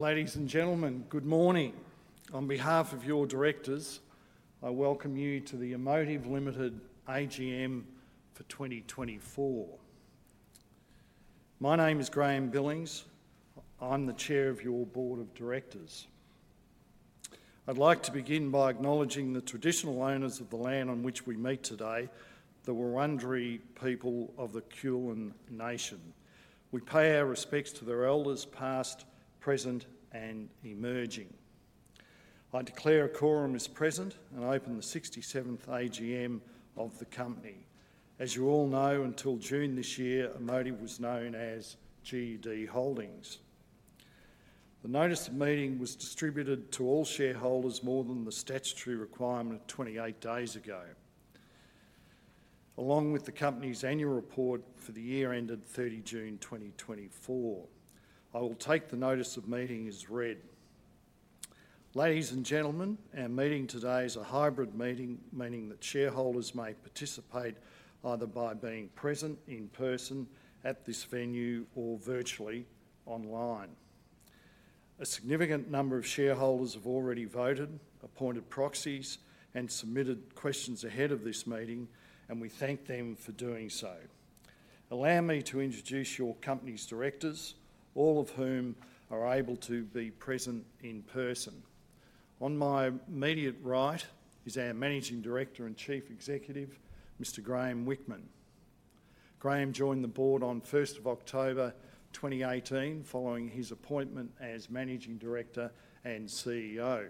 Ladies and gentlemen, good morning. On behalf of your directors, I welcome you to the Amotiv Limited AGM for 2024. My name is Graeme Billings. I'm the Chair of your Board of Directors. I'd like to begin by acknowledging the traditional owners of the land on which we meet today, the Wurundjeri people of the Kulin Nation. We pay our respects to their elders, past, present, and emerging. I declare a quorum is present and open the 67th AGM of the company. As you all know, until June this year, Amotiv was known as GUD Holdings. The notice of meeting was distributed to all shareholders more than the statutory requirement 28 days ago, along with the company's annual report for the year ended thirty June 2024. I will take the notice of meeting as read. Ladies and gentlemen, our meeting today is a hybrid meeting, meaning that shareholders may participate either by being present in person at this venue or virtually online. A significant number of shareholders have already voted, appointed proxies, and submitted questions ahead of this meeting, and we thank them for doing so. Allow me to introduce your company's directors, all of whom are able to be present in person. On my immediate right is our Managing Director and Chief Executive, Mr. Graeme Whickman. Graeme joined the Board on first of October 2018, following his appointment as Managing Director and CEO.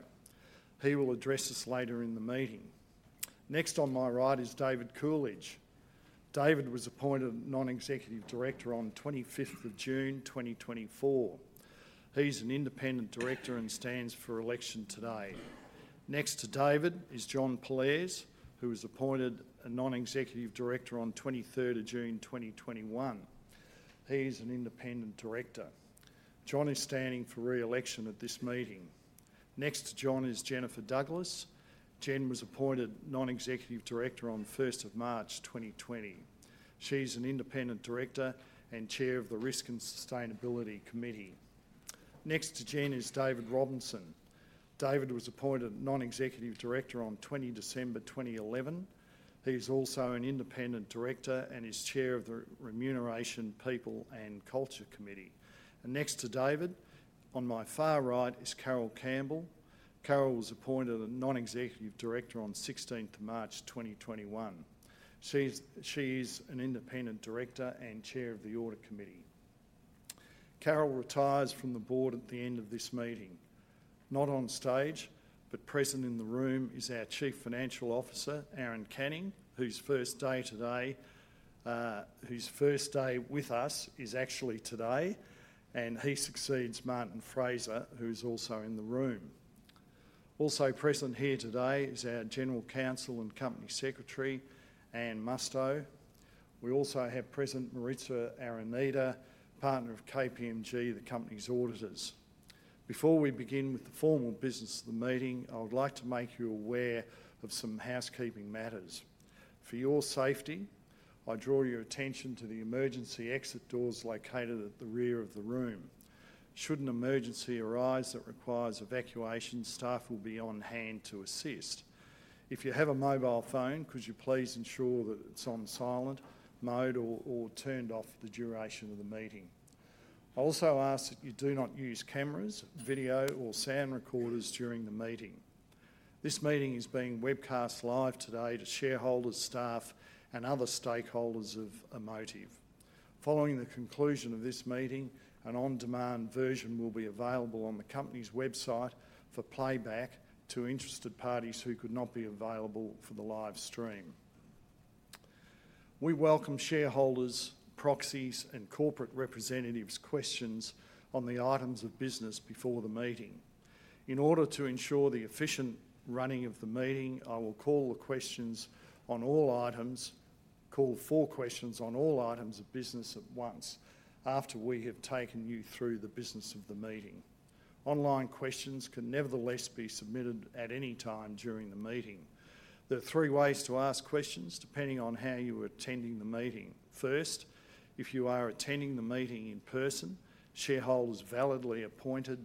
He will address us later in the meeting. Next on my right is David Coolidge. David was appointed a Non-Executive Director on 25th of June 2024. He's an independent director and stands for election today. Next to David is John Pollaers, who was appointed a non-executive director on the 23rd of June, 2021. He is an independent director. John is standing for re-election at this meeting. Next to John is Jennifer Douglas. Jen was appointed non-executive director on the first of March, 2020. She's an independent director and Chair of the Risk and Sustainability Committee. Next to Jen is David Robinson. David was appointed non-executive director on 20 December, 2011. He's also an independent director and is Chair of the Remuneration, People and Culture Committee. Next to David, on my far right, is Carole Campbell. Carole was appointed a non-executive director on the sixteenth of March, 2021. She's an independent director and Chair of the Audit Committee. Carole retires from the Board at the end of this meeting. Not on stage, but present in the room, is our Chief Financial Officer, Aaron Canning, whose first day with us is actually today, and he succeeds Martin Fraser, who is also in the room. Also present here today is our General Counsel and Company Secretary, Anne Musto. We also have present Maritza Araneda, partner of KPMG, the company's auditors. Before we begin with the formal business of the meeting, I would like to make you aware of some housekeeping matters. For your safety, I draw your attention to the emergency exit doors located at the rear of the room. Should an emergency arise that requires evacuation, staff will be on hand to assist. If you have a mobile phone, could you please ensure that it's on silent mode or turned off for the duration of the meeting? I also ask that you do not use cameras, video, or sound recorders during the meeting. This meeting is being webcast live today to shareholders, staff, and other stakeholders of Amotiv. Following the conclusion of this meeting, an on-demand version will be available on the company's website for playback to interested parties who could not be available for the live stream. We welcome shareholders', proxies', and corporate representatives' questions on the items of business before the meeting. In order to ensure the efficient running of the meeting, I will call for questions on all items of business at once, after we have taken you through the business of the meeting. Online questions can nevertheless be submitted at any time during the meeting. There are three ways to ask questions, depending on how you are attending the meeting. First, if you are attending the meeting in person, shareholders validly appointed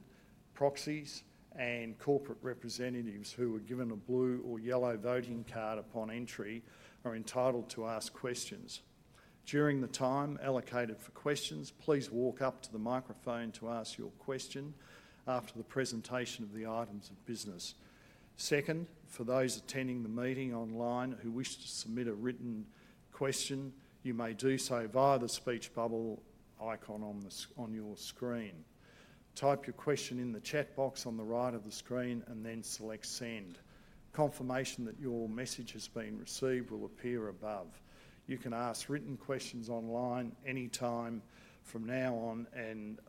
proxies and corporate representatives who were given a blue or yellow voting card upon entry are entitled to ask questions. During the time allocated for questions, please walk up to the microphone to ask your question after the presentation of the items of business. Second, for those attending the meeting online who wish to submit a written question, you may do so via the speech bubble icon on the screen. Type your question in the chat box on the right of the screen, and then select Send. Confirmation that your message has been received will appear above. You can ask written questions online anytime from now on, and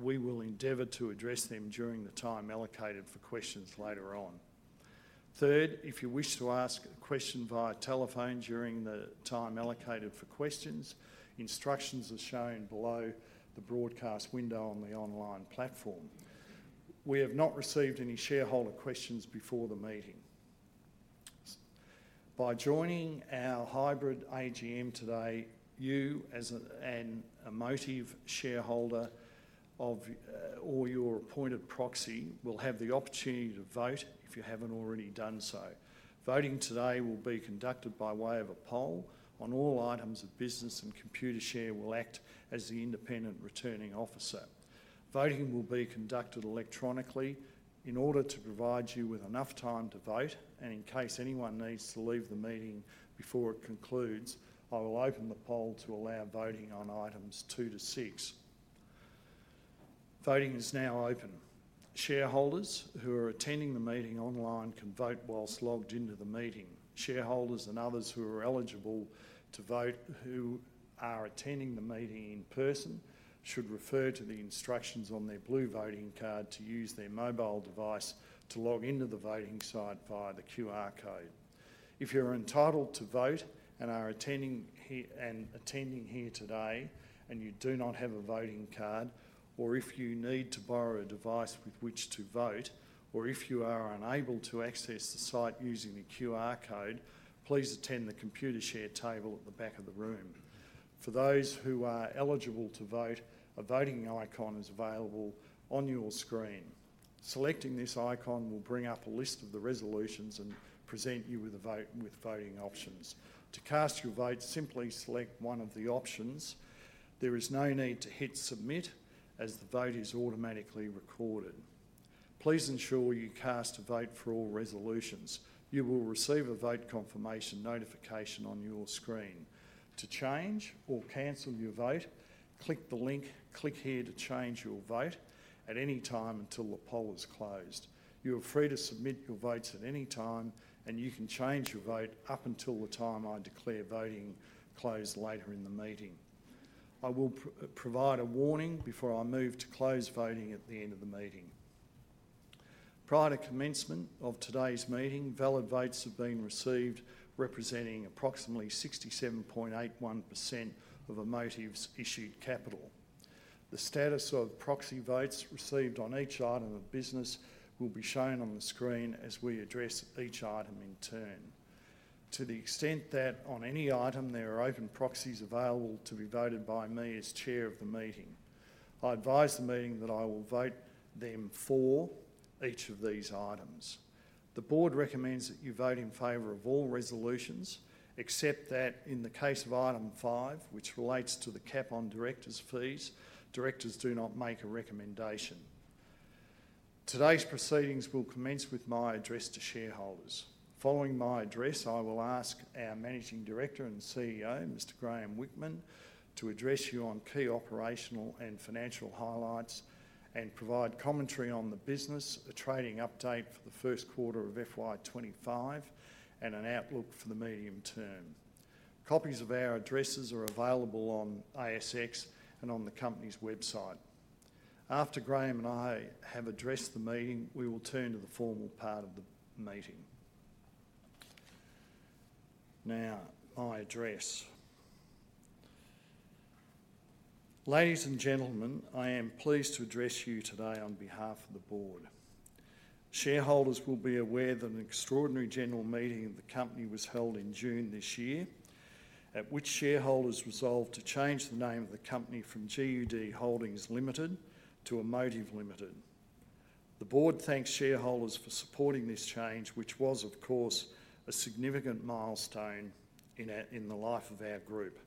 we will endeavor to address them during the time allocated for questions later on. Third, if you wish to ask a question via telephone during the time allocated for questions, instructions are shown below the broadcast window on the online platform. We have not received any shareholder questions before the meeting. By joining our hybrid AGM today, you as an Amotiv shareholder or your appointed proxy, will have the opportunity to vote if you haven't already done so. Voting today will be conducted by way of a poll on all items of business, and Computershare will act as the independent returning officer. Voting will be conducted electronically in order to provide you with enough time to vote, and in case anyone needs to leave the meeting before it concludes, I will open the poll to allow voting on items two to six. Voting is now open. Shareholders who are attending the meeting online can vote whilst logged into the meeting. Shareholders and others who are eligible to vote, who are attending the meeting in person, should refer to the instructions on their blue voting card to use their mobile device to log into the voting site via the QR code. If you're entitled to vote and are attending here, and attending here today, and you do not have a voting card, or if you need to borrow a device with which to vote, or if you are unable to access the site using the QR code, please attend the Computershare table at the back of the room. For those who are eligible to vote, a voting icon is available on your screen. Selecting this icon will bring up a list of the resolutions and present you with voting options. To cast your vote, simply select one of the options. There is no need to hit Submit, as the vote is automatically recorded. Please ensure you cast a vote for all resolutions. You will receive a vote confirmation notification on your screen. To change or cancel your vote, click the link, "Click here to change your vote," at any time until the poll is closed. You are free to submit your votes at any time, and you can change your vote up until the time I declare voting closed later in the meeting. I will provide a warning before I move to close voting at the end of the meeting. Prior to commencement of today's meeting, valid votes have been received, representing approximately 67.81% of Amotiv's issued capital. The status of proxy votes received on each item of business will be shown on the screen as we address each item in turn. To the extent that on any item there are open proxies available to be voted by me as Chair of the meeting, I advise the meeting that I will vote them for each of these items. The Board recommends that you vote in favor of all resolutions, except that in the case of item five, which relates to the cap on directors' fees, directors do not make a recommendation. Today's proceedings will commence with my address to shareholders. Following my address, I will ask our Managing Director and CEO, Mr. Graeme Whickman, to address you on key operational and financial highlights and provide commentary on the business, a trading update for the first quarter of FY 2025, and an outlook for the medium term. Copies of our addresses are available on ASX and on the company's website. After Graeme and I have addressed the meeting, we will turn to the formal part of the meeting. Now, my address. Ladies and gentlemen, I am pleased to address you today on behalf of the Board. Shareholders will be aware that an extraordinary general meeting of the company was held in June this year, at which shareholders resolved to change the name of the company from GUD Holdings Limited to Amotiv Limited. The Board thanks shareholders for supporting this change, which was, of course, a significant milestone in the life of our group.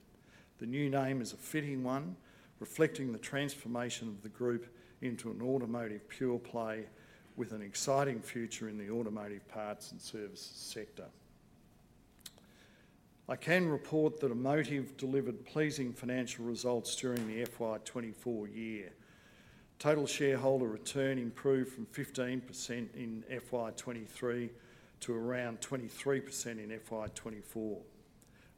The new name is a fitting one, reflecting the transformation of the group into an automotive pure play with an exciting future in the automotive parts and services sector. I can report that Amotiv delivered pleasing financial results during the FY 24 year. Total shareholder return improved from 15% in FY 2023 to around 23% in FY 2024.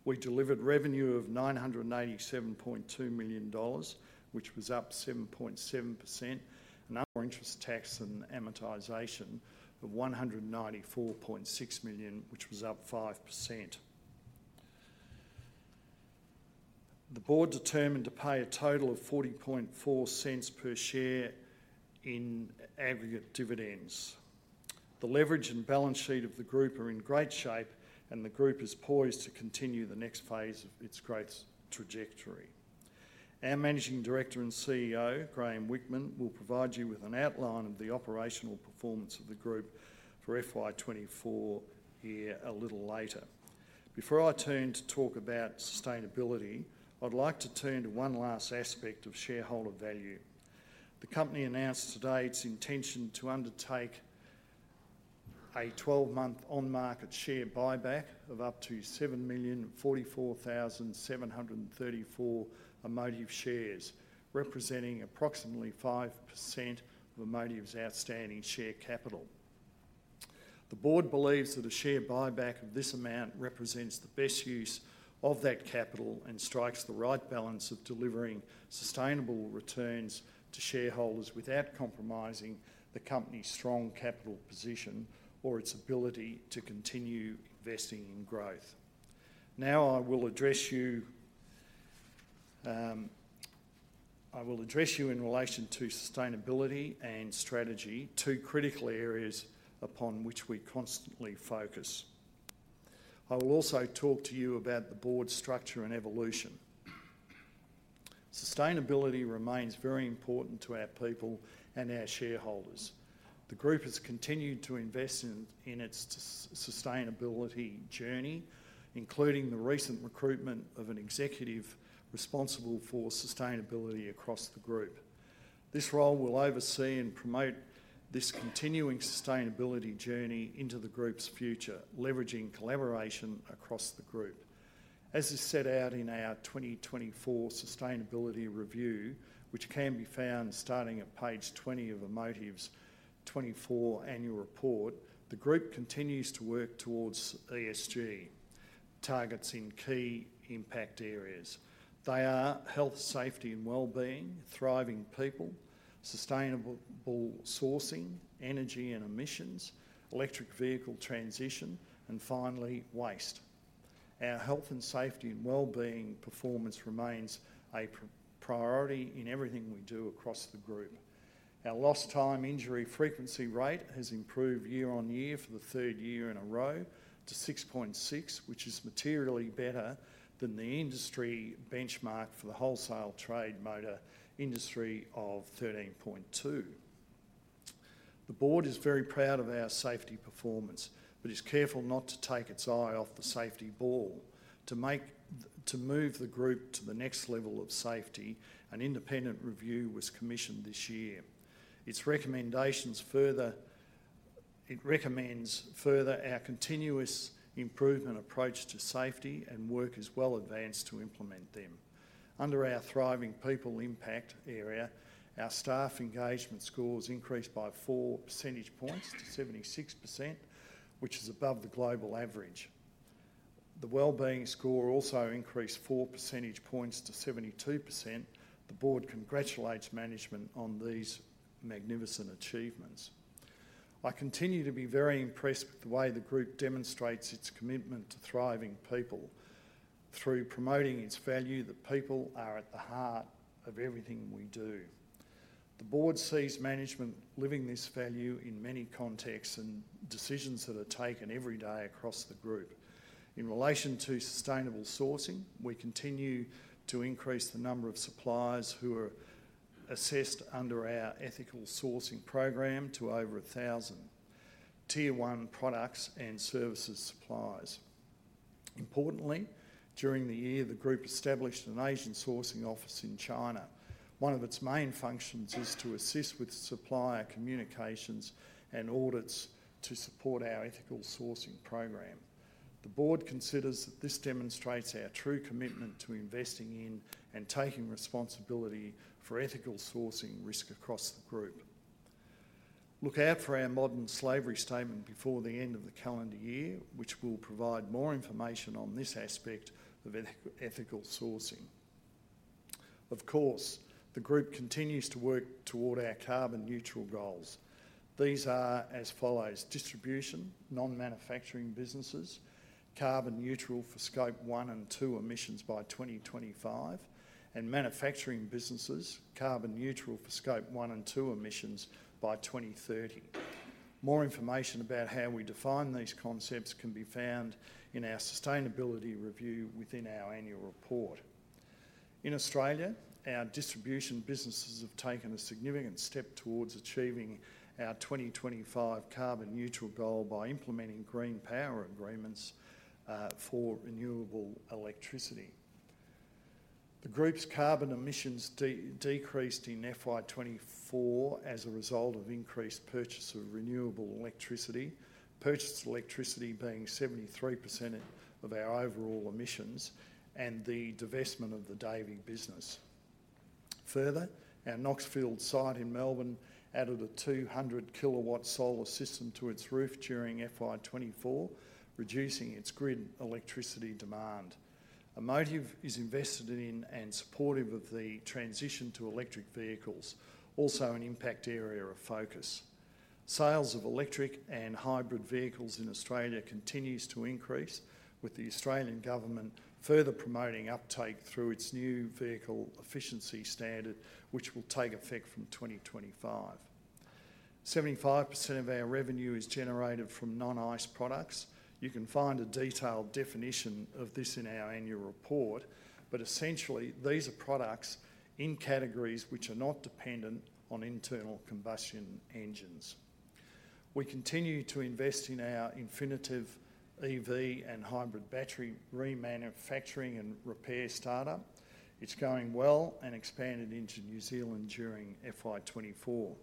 We delivered revenue of 987.2 million dollars, which was up 7.7%, and our interest tax and amortization of 194.6 million, which was up 5%. The Board determined to pay a total of 0.404 per share in aggregate dividends. The leverage and balance sheet of the group are in great shape, and the group is poised to continue the next phase of its growth trajectory. Our Managing Director and CEO, Graeme Whickman, will provide you with an outline of the operational performance of the group for FY 2024 year a little later. Before I turn to talk about sustainability, I'd like to turn to one last aspect of shareholder value. The company announced today its intention to undertake a twelve-month on-market share buyback of up to 7,044,734 Amotiv shares, representing approximately 5% of Amotiv's outstanding share capital. The Board believes that a share buyback of this amount represents the best use of that capital and strikes the right balance of delivering sustainable returns to shareholders without compromising the company's strong capital position or its ability to continue investing in growth. Now, I will address you in relation to sustainability and strategy, two critical areas upon which we constantly focus. I will also talk to you about the Board's structure and evolution. Sustainability remains very important to our people and our shareholders. The group has continued to invest in its sustainability journey, including the recent recruitment of an executive responsible for sustainability across the group. This role will oversee and promote this continuing sustainability journey into the group's future, leveraging collaboration across the group. As is set out in our 2024 sustainability review, which can be found starting at page 20 of Amotiv's 2024 annual report, the group continues to work towards ESG targets in key impact areas. They are health, safety and wellbeing, thriving people, sustainable sourcing, energy and emissions, electric vehicle transition, and finally, waste. Our health and safety and wellbeing performance remains a priority in everything we do across the group. Our lost time injury frequency rate has improved year on year for the third year in a row to 6.6, which is materially better than the industry benchmark for the wholesale trade motor industry of 13.2. The Board is very proud of our safety performance, but is careful not to take its eye off the safety ball. To move the group to the next level of safety, an independent review was commissioned this year. Its recommendations further our continuous improvement approach to safety, and work is well advanced to implement them. Under our thriving people impact area, our staff engagement scores increased by four percentage points to 76%, which is above the global average. The wellbeing score also increased four percentage points to 72%. The Board congratulates management on these magnificent achievements. I continue to be very impressed with the way the group demonstrates its commitment to thriving people through promoting its value, that people are at the heart of everything we do. The Board sees management living this value in many contexts and decisions that are taken every day across the group. In relation to sustainable sourcing, we continue to increase the number of suppliers who are assessed under our ethical sourcing program to over a thousand Tier 1 products and services suppliers. Importantly, during the year, the group established an Asian sourcing office in China. One of its main functions is to assist with supplier communications and audits to support our ethical sourcing program. The Board considers that this demonstrates our true commitment to investing in and taking responsibility for ethical sourcing risk across the group. Look out for our modern slavery statement before the end of the calendar year, which will provide more information on this aspect of ethical sourcing. Of course, the group continues to work toward our carbon neutral goals. These are as follows: distribution, non-manufacturing businesses, carbon neutral for Scope 1 and 2 emissions by 2025, and manufacturing businesses, carbon neutral for Scope 1 and 2 emissions by 2030. More information about how we define these concepts can be found in our sustainability review within our annual report. In Australia, our distribution businesses have taken a significant step towards achieving our 2025 carbon neutral goal by implementing GreenPower agreements for renewable electricity. The group's carbon emissions decreased in FY 2024 as a result of increased purchase of renewable electricity, purchased electricity being 73% of our overall emissions and the divestment of the Davey business. Further, our Knoxfield site in Melbourne added a 200-kilowatt solar system to its roof during FY 2024, reducing its grid electricity demand. Amotiv is invested in and supportive of the transition to electric vehicles, also an impact area of focus. Sales of electric and hybrid vehicles in Australia continues to increase, with the Australian government further promoting uptake through its New Vehicle Efficiency Standard, which will take effect from 2025. 75% of our revenue is generated from non-ICE products. You can find a detailed definition of this in our annual report, but essentially, these are products in categories which are not dependent on internal combustion engines. We continue to invest in our Infinitev EV and hybrid battery remanufacturing and repair startup. It's going well and expanded into New Zealand during FY 2024.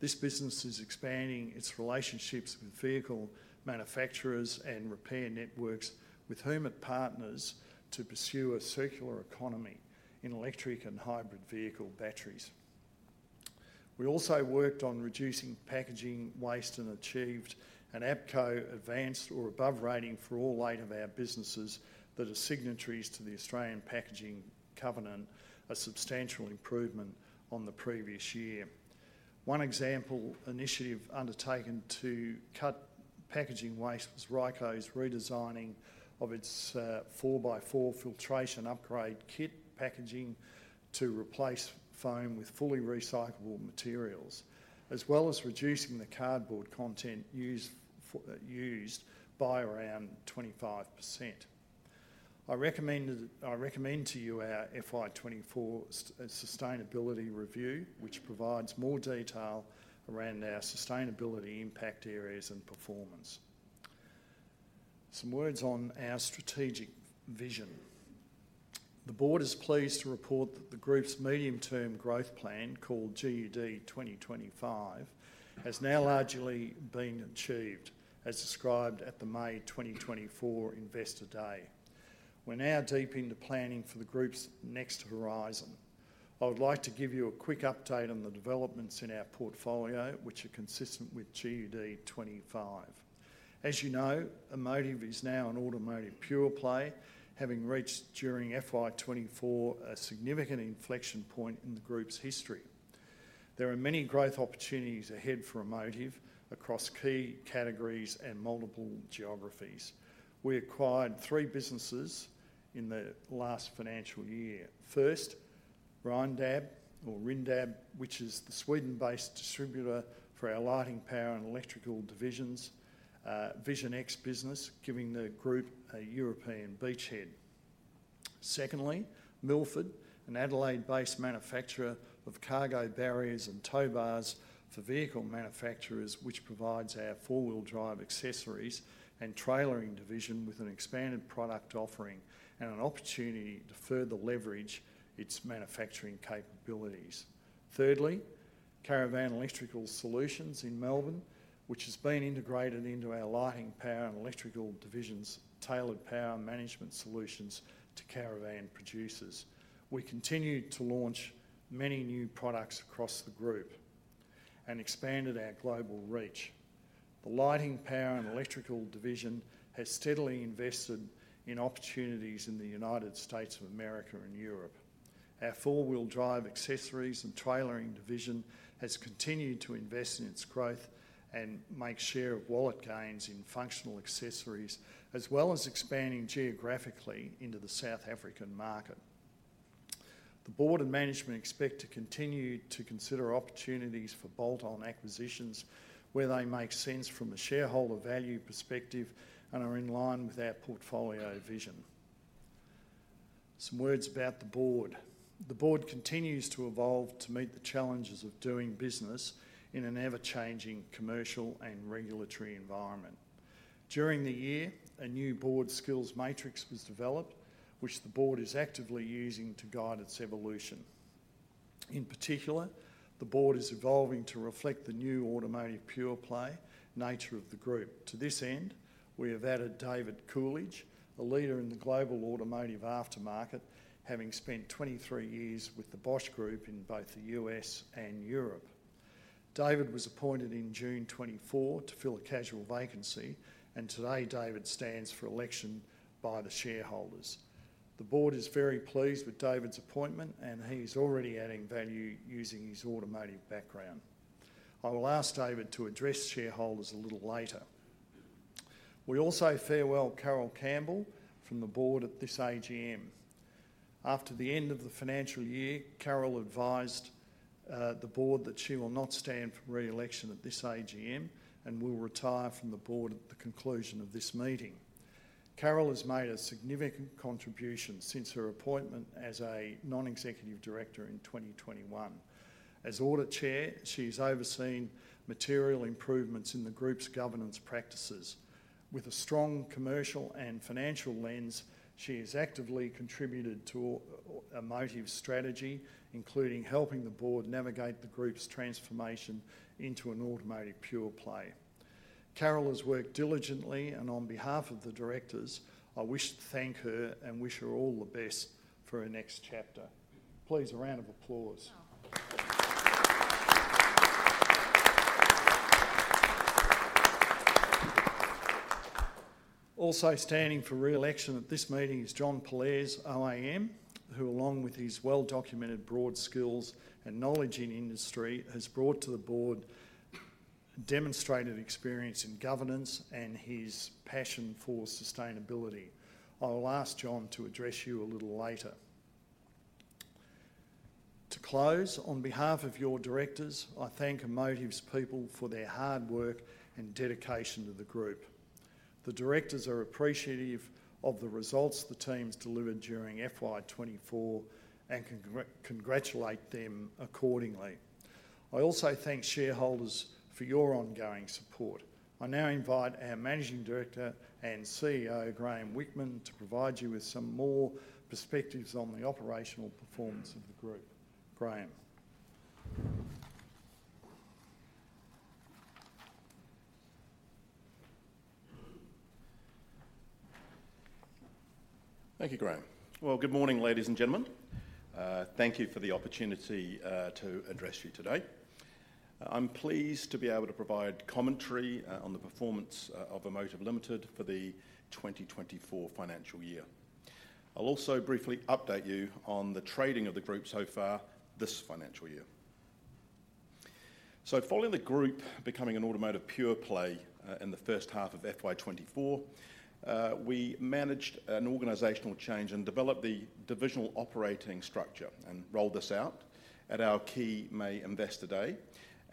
This business is expanding its relationships with vehicle manufacturers and repair networks, with whom it partners to pursue a circular economy in electric and hybrid vehicle batteries. We also worked on reducing packaging waste and achieved an APCO advanced or above rating for all eight of our businesses that are signatories to the Australian Packaging Covenant, a substantial improvement on the previous year. One example initiative undertaken to cut packaging waste was Ryco's redesigning of its 4x4 filtration upgrade kit packaging to replace foam with fully recyclable materials, as well as reducing the cardboard content used by around 25%. I recommend to you our FY 2024 sustainability review, which provides more detail around our sustainability impact areas and performance. Some words on our strategic vision. The Board is pleased to report that the group's medium-term growth plan, called GUD 2025, has now largely been achieved, as described at the May 2024 Investor Day. We're now deep into planning for the group's next horizon. I would like to give you a quick update on the developments in our portfolio, which are consistent with GUD 2025. As you know, Amotiv is now an automotive pure play, having reached, during FY 2024, a significant inflection point in the group's history. There are many growth opportunities ahead for Amotiv across key categories and multiple geographies. We acquired three businesses in the last financial year. First, Rindab, which is the Sweden-based distributor for our Lighting, Power and Electrical division, Vision X business, giving the group a European beachhead. Secondly, Milford, an Adelaide-based manufacturer of cargo barriers and tow bars for vehicle manufacturers, which provides our 4WD Accessories and Trailering division with an expanded product offering and an opportunity to further leverage its manufacturing capabilities. Thirdly, Caravan Electrical Solutions in Melbourne, which has been integrated into our Lighting, Power, and Electrical division, tailored power management solutions to caravan producers. We continued to launch many new products across the group and expanded our global reach. The Lighting, Power, and Electrical division has steadily invested in opportunities in the United States of America and Europe. Our 4WD Accessories and Trailering division has continued to invest in its growth and make share of wallet gains in functional accessories, as well as expanding geographically into the South African market. The Board and management expect to continue to consider opportunities for bolt-on acquisitions where they make sense from a shareholder value perspective and are in line with our portfolio vision. Some words about the Board. The Board continues to evolve to meet the challenges of doing business in an ever-changing commercial and regulatory environment. During the year, a new Board skills matrix was developed, which the Board is actively using to guide its evolution. In particular, the Board is evolving to reflect the new automotive pure-play nature of the group. To this end, we have added David Coolidge, a leader in the global automotive aftermarket, having spent 23 years with the Bosch Group in both the U.S. and Europe. David was appointed in June 2024 to fill a casual vacancy, and today David stands for election by the shareholders. The Board is very pleased with David's appointment, and he is already adding value using his automotive background. I will ask David to address shareholders a little later. We also farewell Carole Campbell from the Board at this AGM. After the end of the financial year, Carole advised the Board that she will not stand for re-election at this AGM and will retire from the Board at the conclusion of this meeting. Carole has made a significant contribution since her appointment as a non-executive director in 2021. As audit chair, she's overseen material improvements in the group's governance practices. With a strong commercial and financial lens, she has actively contributed to Amotiv's strategy, including helping the Board navigate the group's transformation into an automotive pure play. Carole has worked diligently, and on behalf of the directors, I wish to thank her and wish her all the best for her next chapter. Please, a round of applause. Also standing for re-election at this meeting is John Pollaers OAM, who, along with his well-documented broad skills and knowledge in industry, has brought to the Board demonstrated experience in governance and his passion for sustainability. I will ask John to address you a little later. To close, on behalf of your directors, I thank Amotiv's people for their hard work and dedication to the group. The directors are appreciative of the results the teams delivered during FY 2024 and congratulate them accordingly. I also thank shareholders for your ongoing support. I now invite our Managing Director and CEO, Graeme Whickman, to provide you with some more perspectives on the operational performance of the group. Graeme? Thank you, Graeme. Well, good morning, ladies and gentlemen. Thank you for the opportunity to address you today. I'm pleased to be able to provide commentary on the performance of Amotiv Limited for the 2024 financial year. I'll also briefly update you on the trading of the group so far this financial year. So following the group becoming an automotive pure play in the first half of FY 2024, we managed an organizational change and developed the divisional operating structure and rolled this out at our key May Investor Day,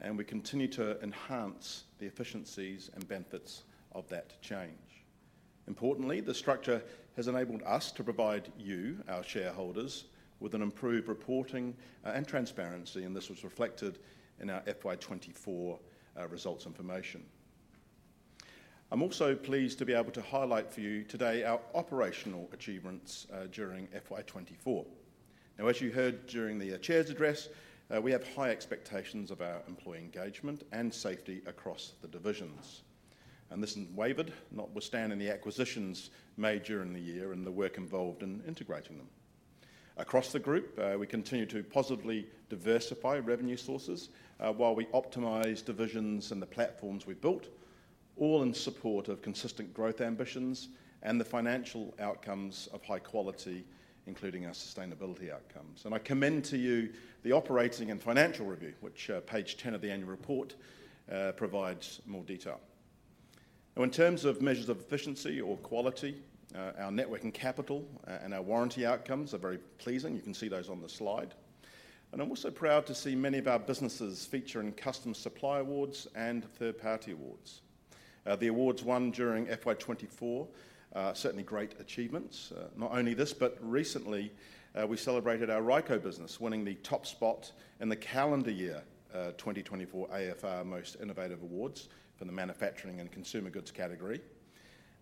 and we continue to enhance the efficiencies and benefits of that change. Importantly, the structure has enabled us to provide you, our shareholders, with an improved reporting and transparency, and this was reflected in our FY 2024 results information. I'm also pleased to be able to highlight for you today our operational achievements during FY 2024. Now, as you heard during the chair's address, we have high expectations of our employee engagement and safety across the divisions, and this isn't wavered, notwithstanding the acquisitions made during the year and the work involved in integrating them. Across the group, we continue to positively diversify revenue sources while we optimize divisions and the platforms we've built, all in support of consistent growth ambitions and the financial outcomes of high quality, including our sustainability outcomes, and I commend to you the operating and financial review, which page ten of the annual report provides more detail. Now, in terms of measures of efficiency or quality, our net working capital and our warranty outcomes are very pleasing. You can see those on the slide. And I'm also proud to see many of our businesses feature in customer supply awards and third-party awards. The awards won during FY 2024 are certainly great achievements. Not only this, but recently, we celebrated our Ryco business, winning the top spot in the calendar year 2024 AFR Most Innovative Awards for the manufacturing and consumer goods category.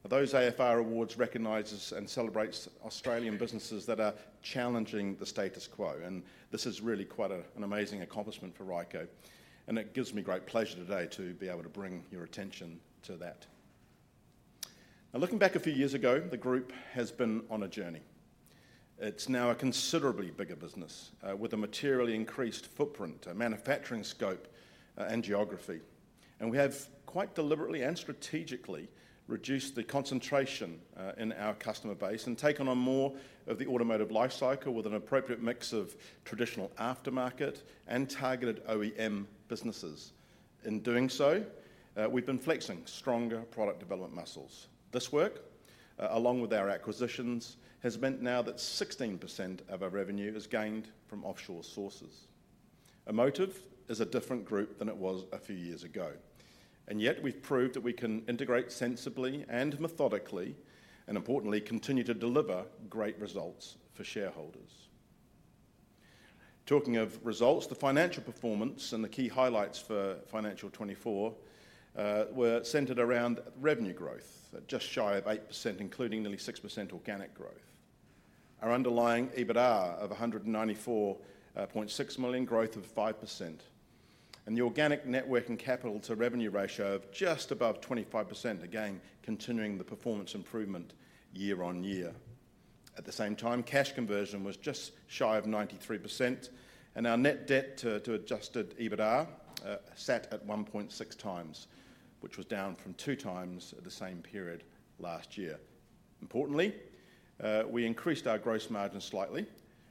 Those AFR awards recognizes and celebrates Australian businesses that are challenging the status quo, and this is really quite an amazing accomplishment for Ryco, and it gives me great pleasure today to be able to bring your attention to that. Now, looking back a few years ago, the group has been on a journey. It's now a considerably bigger business, with a materially increased footprint, a manufacturing scope, and geography. And we have quite deliberately and strategically reduced the concentration in our customer base and taken on more of the automotive life cycle with an appropriate mix of traditional aftermarket and targeted OEM businesses. In doing so, we've been flexing stronger product development muscles. This work, along with our acquisitions, has meant now that 16% of our revenue is gained from offshore sources. Amotiv is a different group than it was a few years ago, and yet we've proved that we can integrate sensibly and methodically, and importantly, continue to deliver great results for shareholders. Talking of results, the financial performance and the key highlights for financial 2024 were centered around revenue growth, at just shy of 8%, including nearly 6% organic growth. Our underlying EBITDA of 194.6 million, growth of 5%, and the organic net working capital to revenue ratio of just above 25%, again, continuing the performance improvement year on year. At the same time, cash conversion was just shy of 93%, and our net debt to Adjusted EBITDA sat at 1.6 times, which was down from two times at the same period last year. Importantly, we increased our gross margin slightly,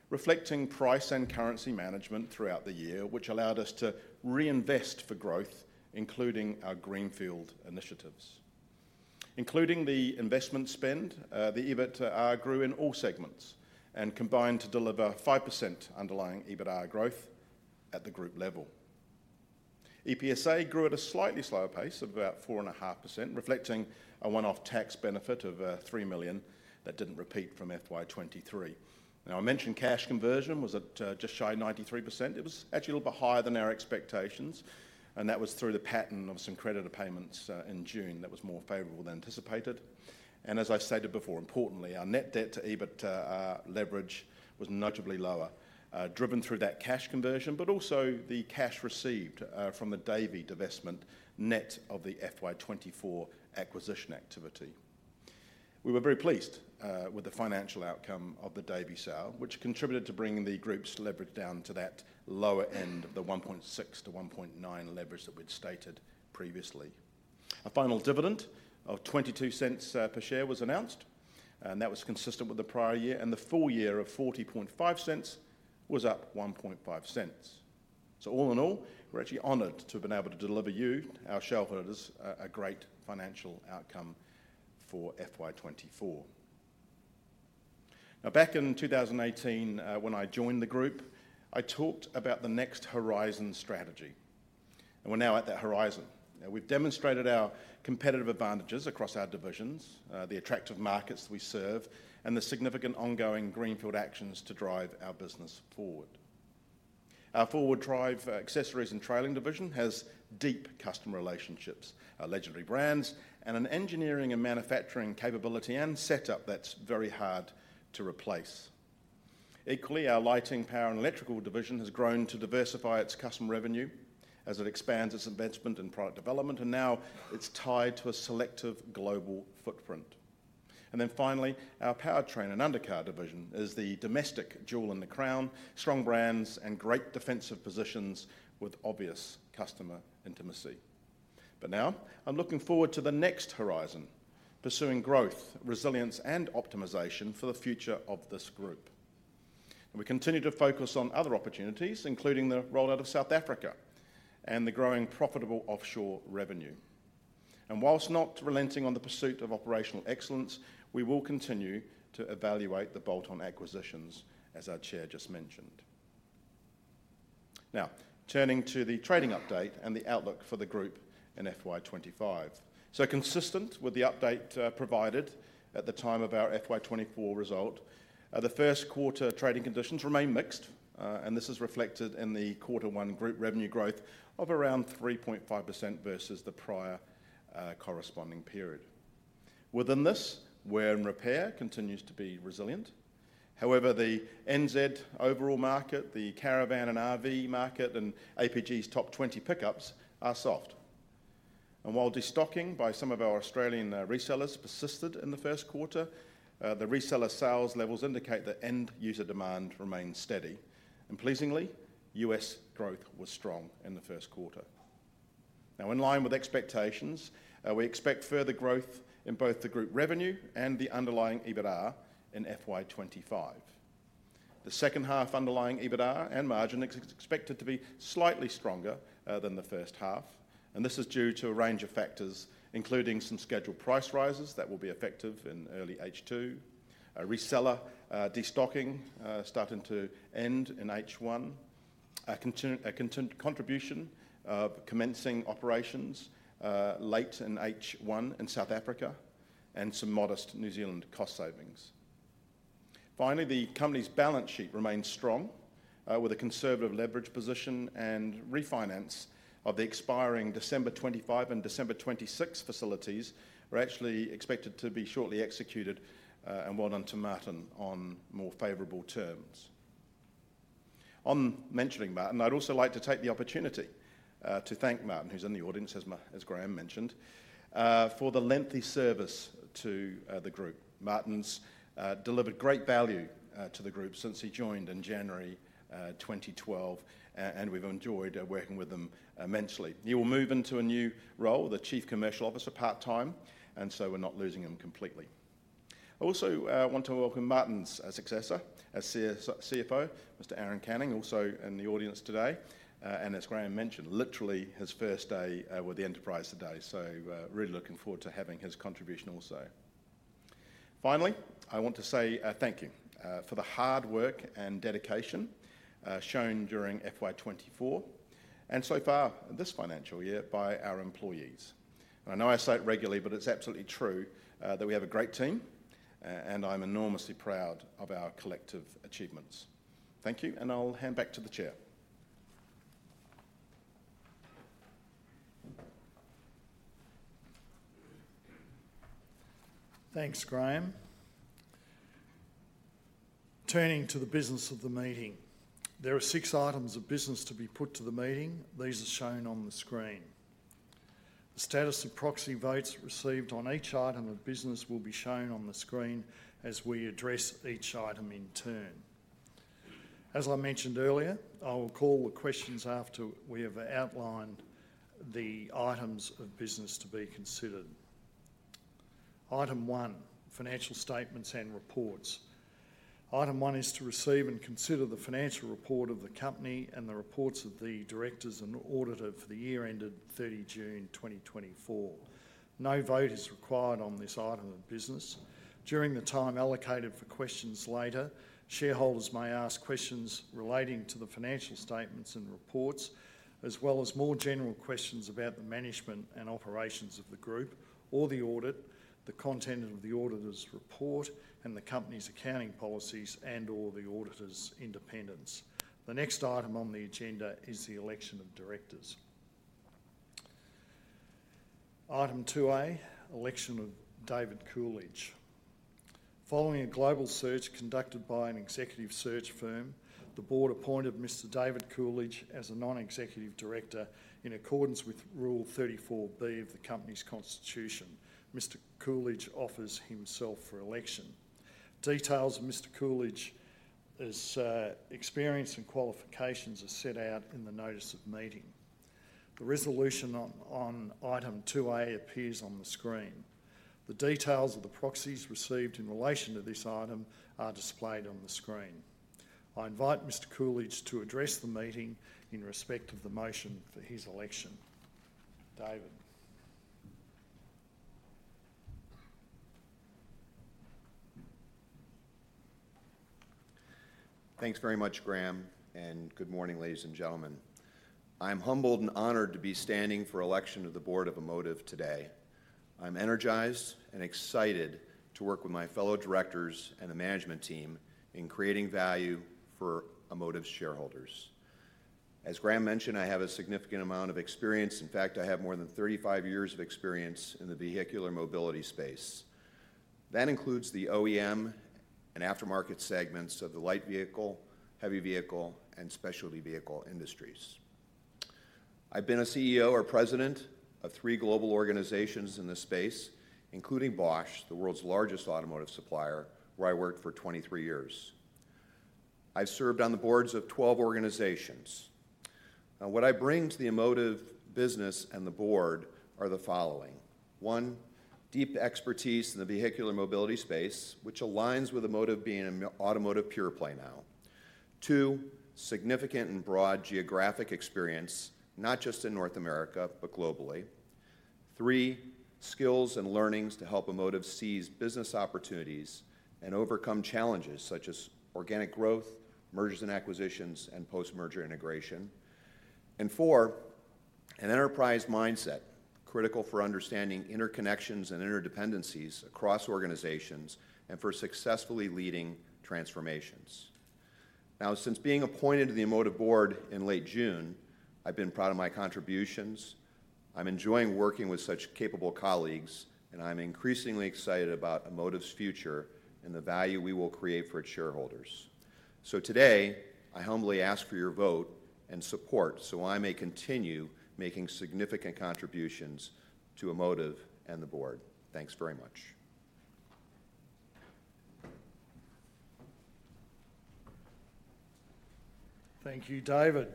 reflecting price and currency management throughout the year, which allowed us to reinvest for growth, including our greenfield initiatives. Including the investment spend, the EBITDA grew in all segments and combined to deliver 5% underlying EBITDA growth at the group level. EPSA grew at a slightly slower pace of about 4.5%, reflecting a one-off tax benefit of three million that didn't repeat from FY 2023. Now, I mentioned cash conversion was at just shy of 93%. It was actually a little bit higher than our expectations, and that was through the pattern of some creditor payments in June that was more favorable than anticipated. And as I stated before, importantly, our net debt to EBITDA leverage was notably lower, driven through that cash conversion, but also the cash received from the Davey divestment, net of the FY 2024 acquisition activity. We were very pleased with the financial outcome of the Davey sale, which contributed to bringing the group's leverage down to that lower end of the 1.6-1.9 leverage that we'd stated previously. A final dividend of 0.22 per share was announced, and that was consistent with the prior year, and the full year of 0.405 was up 0.015. So all in all, we're actually honored to have been able to deliver you, our shareholders, a great financial outcome for FY 2024. Now, back in 2018, when I joined the group, I talked about the next horizon strategy, and we're now at that horizon. We've demonstrated our competitive advantages across our divisions, the attractive markets we serve, and the significant ongoing greenfield actions to drive our business forward. Our four-wheel drive accessories and trailer division has deep customer relationships, legendary brands, and an engineering and manufacturing capability and setup that's very hard to replace. Equally, our Lighting, Power, and Electrical division has grown to diversify its customer revenue as it expands its investment in product development, and now it's tied to a selective global footprint. And then finally, our Powertrain and Undercar division is the domestic jewel in the crown, strong brands and great defensive positions with obvious customer intimacy... But now, I'm looking forward to the next horizon, pursuing growth, resilience, and optimization for the future of this group. We continue to focus on other opportunities, including the rollout of South Africa and the growing profitable offshore revenue. And while not relenting on the pursuit of operational excellence, we will continue to evaluate the bolt-on acquisitions, as our Chair just mentioned. Now, turning to the trading update and the outlook for the group in FY 2025. So consistent with the update, provided at the time of our FY 2024 result, the first quarter trading conditions remain mixed, and this is reflected in the quarter one group revenue growth of around 3.5% versus the prior corresponding period. Within this, wear and repair continues to be resilient. However, the NZ overall market, the caravan and RV market, and APG's top 20 pickups are soft. And while destocking by some of our Australian resellers persisted in the first quarter, the reseller sales levels indicate that end user demand remains steady. And pleasingly, U.S. growth was strong in the first quarter. Now, in line with expectations, we expect further growth in both the group revenue and the underlying EBITDA in FY 2025. The second half underlying EBITDA and margin is expected to be slightly stronger than the first half, and this is due to a range of factors, including some scheduled price rises that will be effective in early H2, a reseller destocking starting to end in H1, a contribution of commencing operations late in H1 in South Africa, and some modest New Zealand cost savings. Finally, the company's balance sheet remains strong with a conservative leverage position and refinance of the expiring December 2025 and December 2026 facilities are actually expected to be shortly executed, and well done to Martin on more favorable terms. On mentioning Martin, I'd also like to take the opportunity to thank Martin, who's in the audience as Graeme mentioned, for the lengthy service to the group. Martin's delivered great value to the group since he joined in January 2012, and we've enjoyed working with him immensely. He will move into a new role, the Chief Commercial Officer, part-time, and so we're not losing him completely. I also want to welcome Martin's successor as CFO, Mr. Aaron Canning, also in the audience today, and as Graeme mentioned, literally his first day with the enterprise today. So really looking forward to having his contribution also. Finally, I want to say thank you for the hard work and dedication shown during FY 2024 and so far this financial year by our employees, and I know I say it regularly, but it's absolutely true that we have a great team, and I'm enormously proud of our collective achievements. Thank you, and I'll hand back to the Chair. Thanks, Graeme. Turning to the business of the meeting, there are six items of business to be put to the meeting. These are shown on the screen. The status of proxy votes received on each item of business will be shown on the screen as we address each item in turn. As I mentioned earlier, I will call the questions after we have outlined the items of business to be considered. Item one, financial statements and reports. Item one is to receive and consider the financial report of the company and the reports of the directors and auditor for the year ended 30 June 2024. No vote is required on this item of business. During the time allocated for questions later, shareholders may ask questions relating to the financial statements and reports, as well as more general questions about the management and operations of the group or the audit, the content of the auditor's report, and the company's accounting policies and/or the auditor's independence. The next item on the agenda is the election of directors. Item two A, Election of David Coolidge. Following a global search conducted by an executive search firm, the Board appointed Mr. David Coolidge as a non-executive director in accordance with Rule 34B of the company's constitution. Mr. Coolidge offers himself for election. Details of Mr. Coolidge's experience and qualifications are set out in the notice of meeting. The resolution on item two A appears on the screen. The details of the proxies received in relation to this item are displayed on the screen. I invite Mr. Coolidge to address the meeting in respect of the motion for his election. David? Thanks very much, Graeme, and good morning, ladies and gentlemen. I'm humbled and honored to be standing for election to the Board of Amotiv today. I'm energized and excited to work with my fellow directors and the management team in creating value for Amotiv's shareholders. As Graeme mentioned, I have a significant amount of experience. In fact, I have more than thirty-five years of experience in the vehicular mobility space. That includes the OEM and aftermarket segments of the light vehicle, heavy vehicle, and specialty vehicle industries. I've been a CEO or president of three global organizations in this space, including Bosch, the world's largest automotive supplier, where I worked for 23 years.... I've served on the Boards of 12 organizations. Now, what I bring to the Amotiv business and the Board are the following: One, deep expertise in the vehicular mobility space, which aligns with Amotiv being an automotive pure play now. Two, significant and broad geographic experience, not just in North America, but globally. Three, skills and learnings to help Amotiv seize business opportunities and overcome challenges such as organic growth, mergers and acquisitions, and post-merger integration. And four, an enterprise mindset, critical for understanding interconnections and interdependencies across organizations and for successfully leading transformations. Now, since being appointed to the Amotiv Board in late June, I've been proud of my contributions. I'm enjoying working with such capable colleagues, and I'm increasingly excited about Amotiv's future and the value we will create for its shareholders. So today, I humbly ask for your vote and support so I may continue making significant contributions to Amotiv and the Board. Thanks very much. Thank you, David.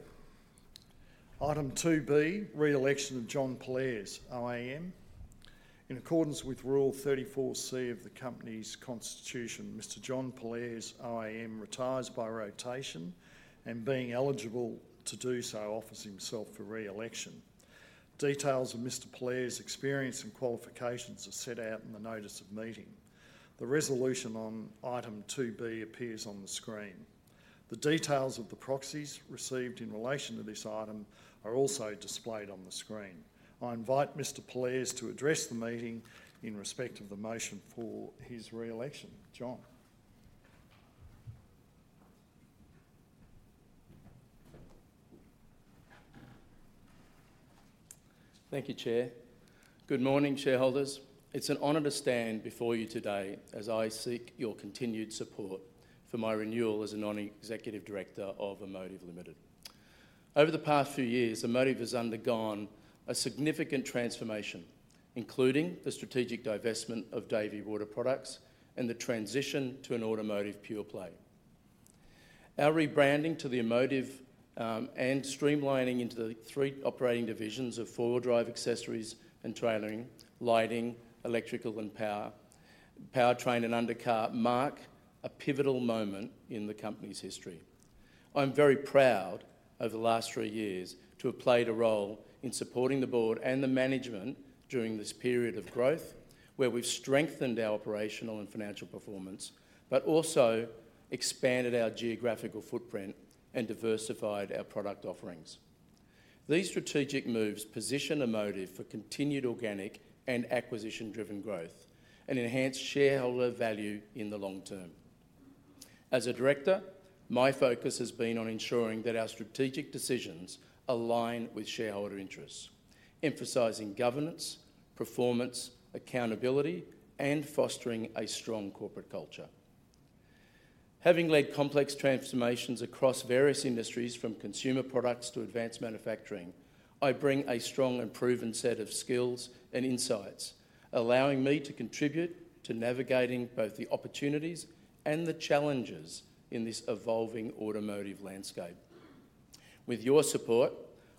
Item two B, re-election of John Pollaers OAM. In accordance with Rule 34C of the Company's Constitution, Mr. John Pollaers OAM retires by rotation, and being eligible to do so, offers himself for re-election. Details of Mr. Pollaers's experience and qualifications are set out in the notice of meeting. The resolution on item two B appears on the screen. The details of the proxies received in relation to this item are also displayed on the screen. I invite Mr. Pollaers to address the meeting in respect of the motion for his re-election. John? Thank you, Chair. Good morning, shareholders. It's an honor to stand before you today as I seek your continued support for my renewal as a non-executive director of Amotiv Limited. Over the past few years, Amotiv has undergone a significant transformation, including the strategic divestment of Davey Water Products and the transition to an automotive pure play. Our rebranding to the Amotiv, and streamlining into the three operating divisions of 4WD Accessories and Trailering, Lighting, Electrical and Powertrain and Undercar, mark a pivotal moment in the company's history. I'm very proud over the last three years to have played a role in supporting the Board and the management during this period of growth, where we've strengthened our operational and financial performance, but also expanded our geographical footprint and diversified our product offerings. These strategic moves position Amotiv for continued organic and acquisition-driven growth and enhance shareholder value in the long term. As a director, my focus has been on ensuring that our strategic decisions align with shareholder interests, emphasizing governance, performance, accountability, and fostering a strong corporate culture. Having led complex transformations across various industries, from consumer products to advanced manufacturing, I bring a strong and proven set of skills and insights, allowing me to contribute to navigating both the opportunities and the challenges in this evolving automotive landscape. With your support,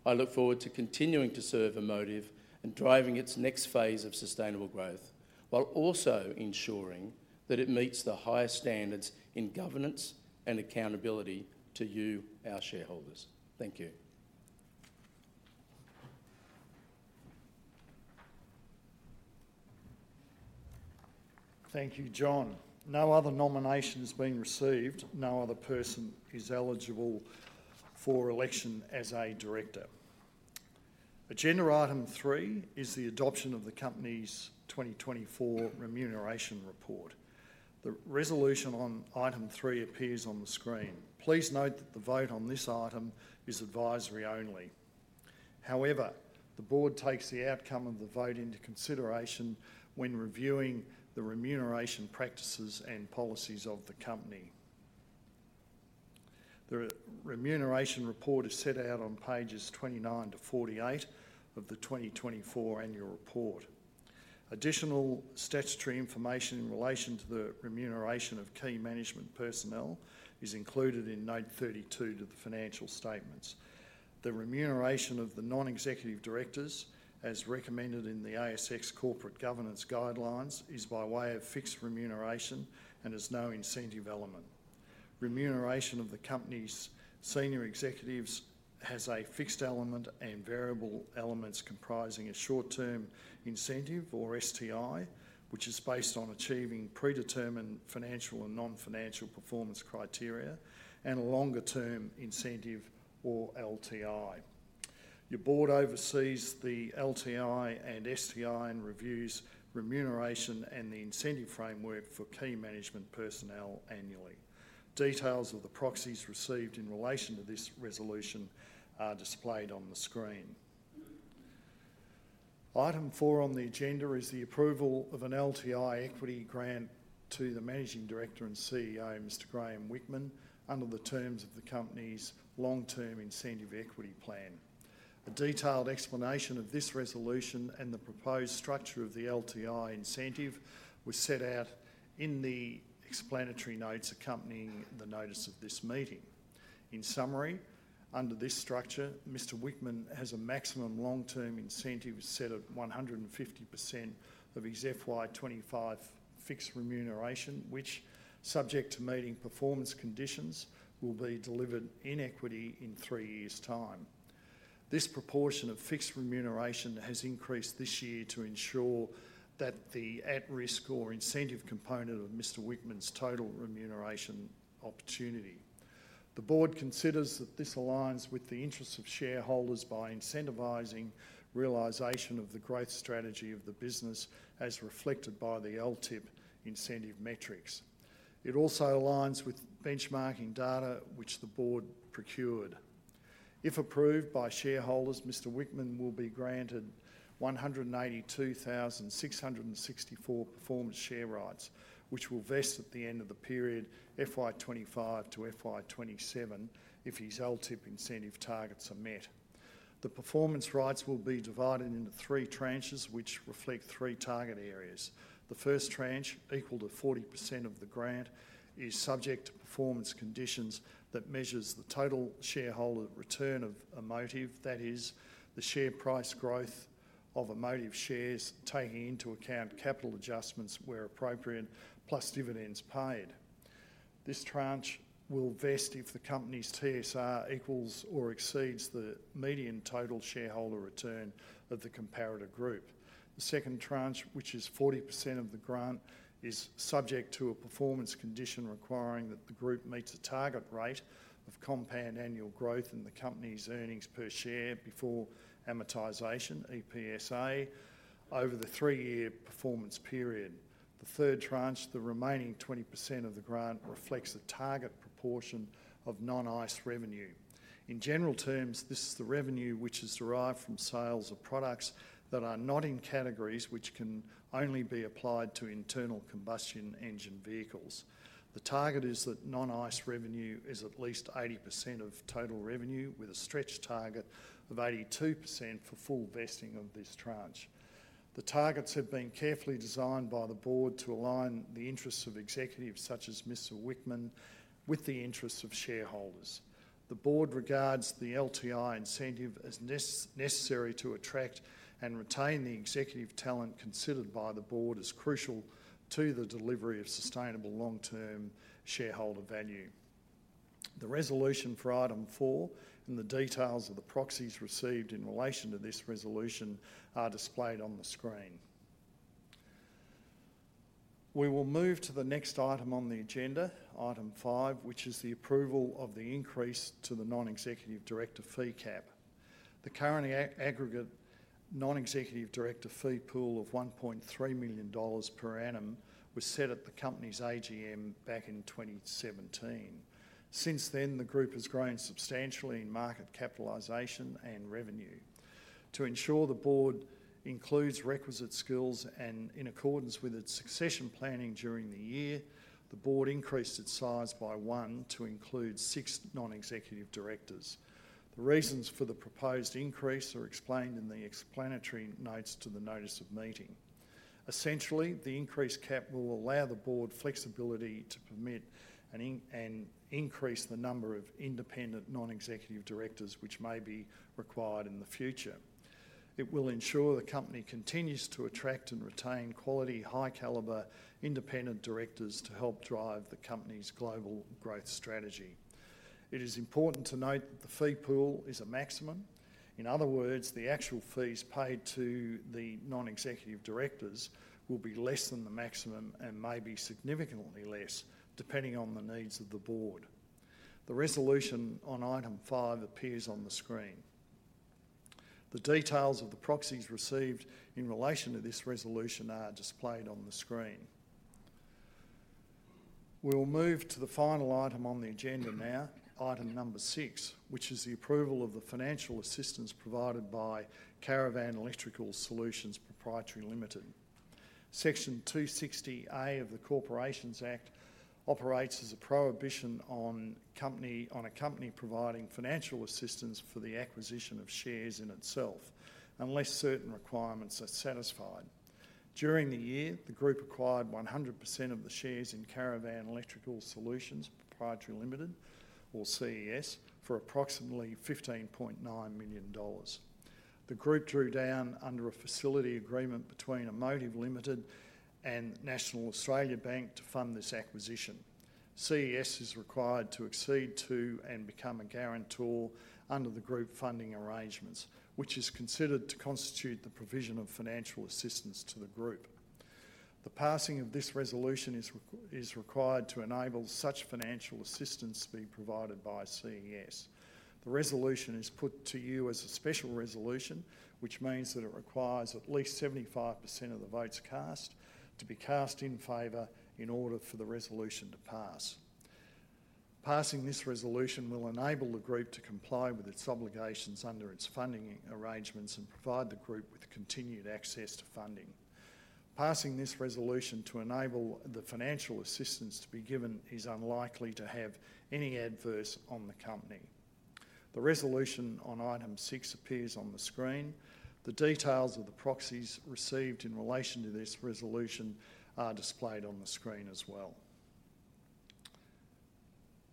I look forward to continuing to serve Amotiv and driving its next phase of sustainable growth, while also ensuring that it meets the highest standards in governance and accountability to you, our shareholders. Thank you. Thank you, John. No other nomination has been received. No other person is eligible for election as a director. Agenda item three is the adoption of the company's 2024 Remuneration Report. The resolution on item three appears on the screen. Please note that the vote on this item is advisory only. However, the Board takes the outcome of the vote into consideration when reviewing the remuneration practices and policies of the company. The Remuneration Report is set out on pages 29 to 48 of the 2024 Annual Report. Additional statutory information in relation to the remuneration of key management personnel is included in Note 32 to the financial statements. The remuneration of the non-executive directors, as recommended in the ASX Corporate Governance Guidelines, is by way of fixed remuneration and has no incentive element. Remuneration of the company's senior executives has a fixed element and variable elements comprising a short-term incentive or STI, which is based on achieving predetermined financial and non-financial performance criteria, and a longer-term incentive or LTI. Your Board oversees the LTI and STI and reviews remuneration and the incentive framework for key management personnel annually. Details of the proxies received in relation to this resolution are displayed on the screen. Item four on the agenda is the approval of an LTI equity grant to the Managing Director and CEO, Mr. Graeme Whickman, under the terms of the company's Long-Term Incentive Equity Plan. A detailed explanation of this resolution and the proposed structure of the LTI incentive was set out in the explanatory notes accompanying the notice of this meeting. In summary, under this structure, Mr. Whickman has a maximum long-term incentive set at 150% of his FY 2025 fixed remuneration, which, subject to meeting performance conditions, will be delivered in equity in three years' time. This proportion of fixed remuneration has increased this year to ensure that the at-risk or incentive component of Mr. Whickman's total remuneration opportunity. The Board considers that this aligns with the interests of shareholders by incentivizing realization of the growth strategy of the business, as reflected by the LTIP incentive metrics. It also aligns with benchmarking data which the Board procured. If approved by shareholders, Mr. Whickman will be granted 182,664 performance share rights, which will vest at the end of the period FY 2025 to FY 2027 if his LTIP incentive targets are met. The performance rights will be divided into three tranches, which reflect three target areas. The first tranche, equal to 40% of the grant, is subject to performance conditions that measures the total shareholder return of Amotiv. That is, the share price growth of Amotiv shares, taking into account capital adjustments where appropriate, plus dividends paid. This tranche will vest if the company's TSR equals or exceeds the median total shareholder return of the comparator group. The second tranche, which is 40% of the grant, is subject to a performance condition requiring that the group meets a target rate of compound annual growth in the company's earnings per share before amortization, EPSA, over the three-year performance period. The third tranche, the remaining 20% of the grant, reflects the target proportion of non-ICE revenue. In general terms, this is the revenue which is derived from sales of products that are not in categories which can only be applied to internal combustion engine vehicles. The target is that non-ICE revenue is at least 80% of total revenue, with a stretch target of 82% for full vesting of this tranche. The targets have been carefully designed by the Board to align the interests of executives, such as Mr. Whickman, with the interests of shareholders. The Board regards the LTI incentive as necessary to attract and retain the executive talent considered by the Board as crucial to the delivery of sustainable long-term shareholder value. The resolution for item four and the details of the proxies received in relation to this resolution are displayed on the screen. We will move to the next item on the agenda, item 5, which is the approval of the increase to the non-executive director fee cap. The current aggregate non-executive director fee pool of 1.3 million dollars per annum was set at the company's AGM back in 2017. Since then, the group has grown substantially in market capitalization and revenue. To ensure the Board includes requisite skills and in accordance with its succession planning during the year, the Board increased its size by one to include six non-executive directors. The reasons for the proposed increase are explained in the explanatory notes to the notice of meeting. Essentially, the increased cap will allow the Board flexibility to permit and increase the number of independent non-executive directors which may be required in the future. It will ensure the company continues to attract and retain quality, high-caliber independent directors to help drive the company's global growth strategy. It is important to note that the fee pool is a maximum. In other words, the actual fees paid to the non-executive directors will be less than the maximum and may be significantly less, depending on the needs of the Board. The resolution on item five appears on the screen. The details of the proxies received in relation to this resolution are displayed on the screen. We'll move to the final item on the agenda now, item number six, which is the approval of the financial assistance provided by Caravan Electrical Solutions Proprietary Limited. Section 260A of the Corporations Act operates as a prohibition on a company providing financial assistance for the acquisition of shares in itself, unless certain requirements are satisfied. During the year, the group acquired 100% of the shares in Caravan Electrical Solutions Proprietary Limited, or CES, for approximately 15.9 million dollars. The group drew down under a facility agreement between Amotiv Limited and National Australia Bank to fund this acquisition. CES is required to accede to and become a guarantor under the group funding arrangements, which is considered to constitute the provision of financial assistance to the group. The passing of this resolution is required to enable such financial assistance to be provided by CES. The resolution is put to you as a special resolution, which means that it requires at least 75% of the votes cast to be cast in favor in order for the resolution to pass. Passing this resolution will enable the group to comply with its obligations under its funding arrangements and provide the group with continued access to funding. Passing this resolution to enable the financial assistance to be given is unlikely to have any adverse on the company. The resolution on item six appears on the screen. The details of the proxies received in relation to this resolution are displayed on the screen as well.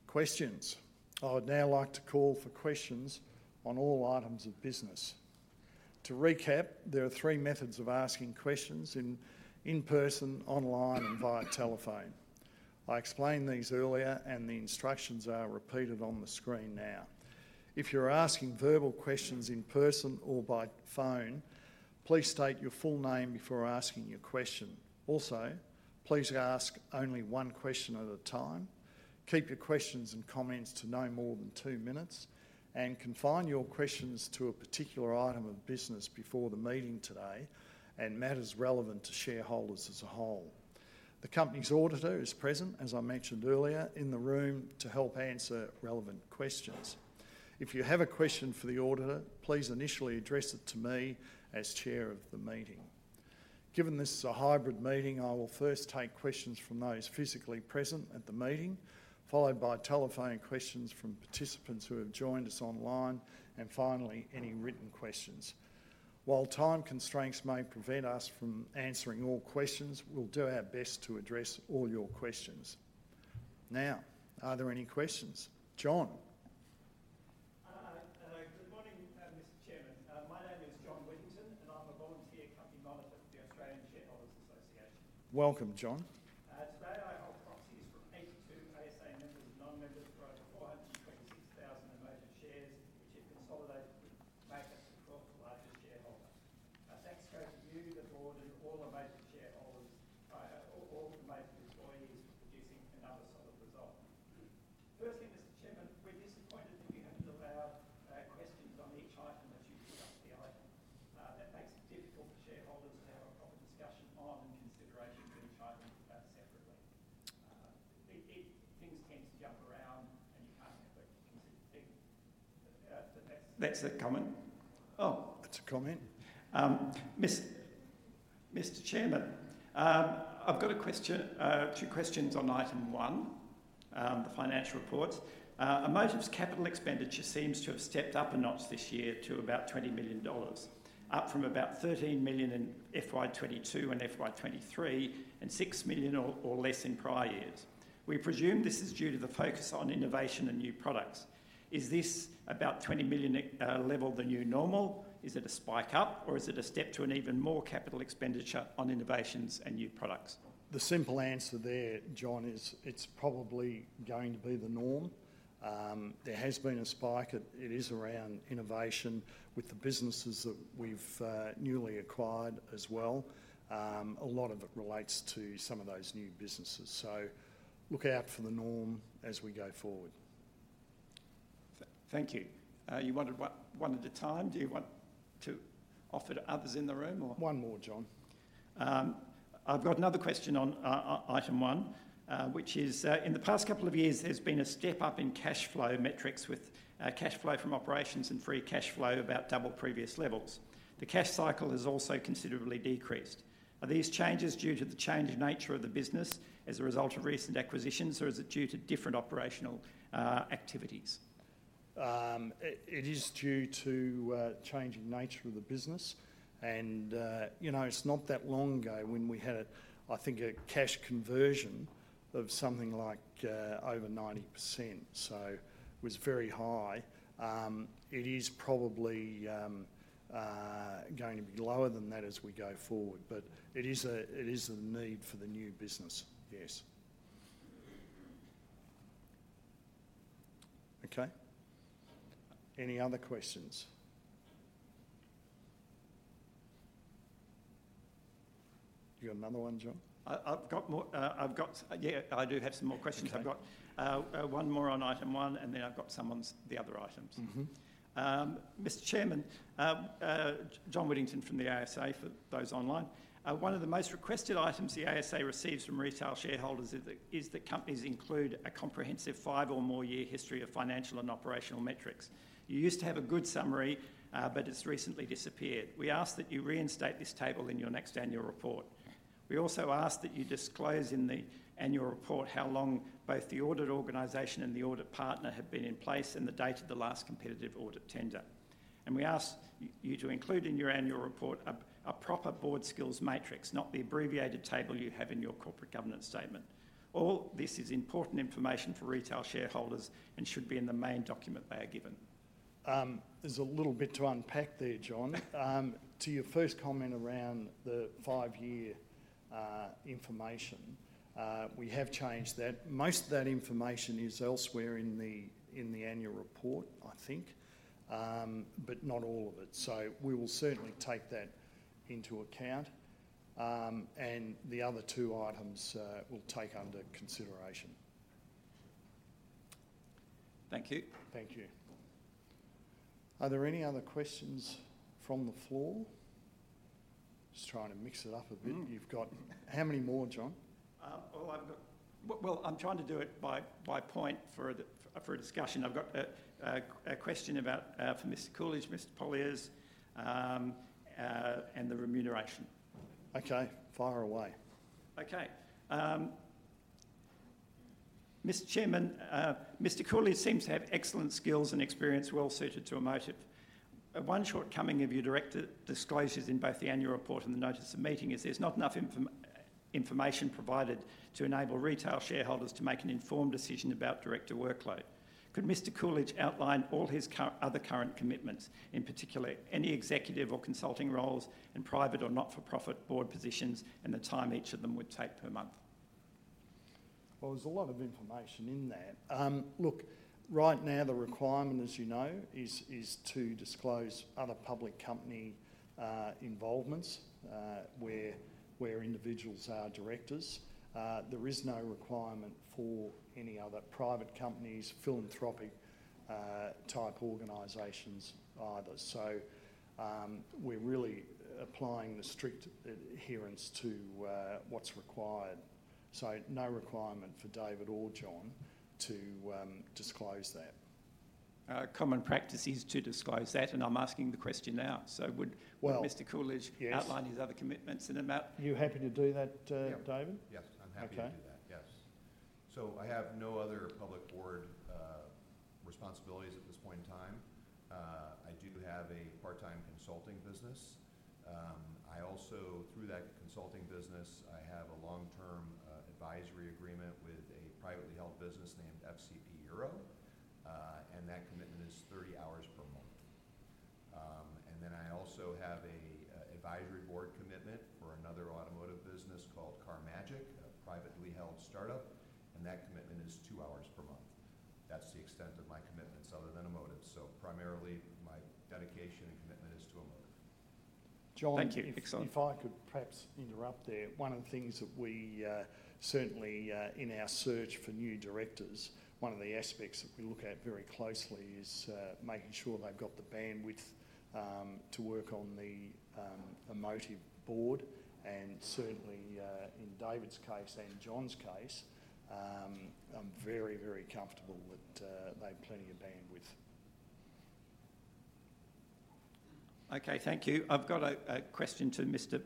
Questions. I would now like to call for questions on all items of business. To recap, there are three methods of asking questions: in person, online, and via telephone. I explained these earlier, and the instructions are repeated on the screen now. If you're asking verbal questions in person or by phone, please state your full name before asking your question. Also, please ask only one question at a time. Keep your questions and comments to no more than two minutes, and confine your questions to a particular item of business before the meeting today, and matters relevant to shareholders as a whole. The company's auditor is present, as I mentioned earlier, in the room to help answer relevant questions. If you have a question for the auditor, please initially address it to me as Chair of the meeting. Given this is a hybrid meeting, I will first take questions from those physically present at the meeting, followed by telephone questions from participants who have joined us online, and finally, any written questions. While time constraints may prevent us from answering all questions, we'll do our best to address all your questions. Now, are there any questions? John? Is this about 20 million level the new normal? Is it a spike up, or is it a step to an even more capital expenditure on innovations and new products? The simple answer there, John, is it's probably going to be the norm. There has been a spike. It is around innovation with the businesses that we've newly acquired as well. A lot of it relates to some of those new businesses, so look out for the norm as we go forward. Thank you. You wanted one at a time. Do you want to offer to others in the room, or- One more, John. I've got another question on item one, which is, in the past couple of years, there's been a step up in cash flow metrics with cash flow from operations and free cash flow about double previous levels. The cash cycle has also considerably decreased. Are these changes due to the change in nature of the business as a result of recent acquisitions, or is it due to different operational activities? It is due to change in nature of the business, and you know, it's not that long ago when we had, I think, a cash conversion of something like over 90%, so it was very high. It is probably going to be lower than that as we go forward, but it is the need for the new business, yes. Okay. Any other questions? You got another one, John? I've got more. Yeah, I do have some more questions. Okay. I've got one more on item one, and then I've got some on the other items. Mm-hmm. Mr. Chairman, John Whittington from the ASA, for those online. One of the most requested items the ASA receives from retail shareholders is that companies include a comprehensive five or more year history of financial and operational metrics. You used to have a good summary, but it's recently disappeared. We ask that you reinstate this table in your next annual report. We also ask that you disclose in the annual report how long both the audit organization and the audit partner have been in place and the date of the last competitive audit tender. We ask you to include in your annual report a proper board skills matrix, not the abbreviated table you have in your corporate governance statement. All this is important information for retail shareholders and should be in the main document they are given. There's a little bit to unpack there, John. To your first comment around the five-year information, we have changed that. Most of that information is elsewhere in the annual report, I think, but not all of it. So we will certainly take that into account, and the other two items we'll take under consideration. Thank you. Thank you. Are there any other questions from the floor? Just trying to mix it up a bit. You've got how many more, John? Well, I'm trying to do it by point for a discussion. I've got a question about for Mr. Coolidge, Mr. Pollaers, and the remuneration. Okay, fire away. Okay. Mr. Chairman, Mr. Coolidge seems to have excellent skills and experience well suited to Amotiv. One shortcoming of your director disclosures in both the annual report and the notice of meeting is there's not enough information provided to enable retail shareholders to make an informed decision about director workload. Could Mr. Coolidge outline all his other current commitments, in particular, any executive or consulting roles in private or not-for-profit board positions, and the time each of them would take per month? There's a lot of information in there. Look, right now, the requirement, as you know, is to disclose other public company involvements where individuals are directors. There is no requirement for any other private companies, philanthropic type organizations either. So, we're really applying the strict adherence to what's required. So no requirement for David or John to disclose that. Common practice is to disclose that, and I'm asking the question now. So would- Well- -Mr. Coolidge- Yes... outline his other commitments and about- Are you happy to do that, David? Yes, I'm happy to do that. Okay. Yes, so I have no other public board responsibilities at this point in time. I do have a part-time consulting business. I also, through that consulting business, I have a long-term advisory agreement with a privately held business named FCP Euro, and that commitment is thirty hours per month. And then I also have a advisory board commitment for another automotive business called CarMagic, a privately held startup, and that commitment is two hours per month. That's the extent of my commitments other than Amotiv. So primarily, my dedication and commitment is to Amotiv. Thank you. Excellent. John, if I could perhaps interrupt there. One of the things that we certainly in our search for new directors, one of the aspects that we look at very closely is making sure they've got the bandwidth to work on the Amotiv board. And certainly in David's case and John's case, I'm very, very comfortable that they have plenty of bandwidth. Okay, thank you. I've got a question to Mr.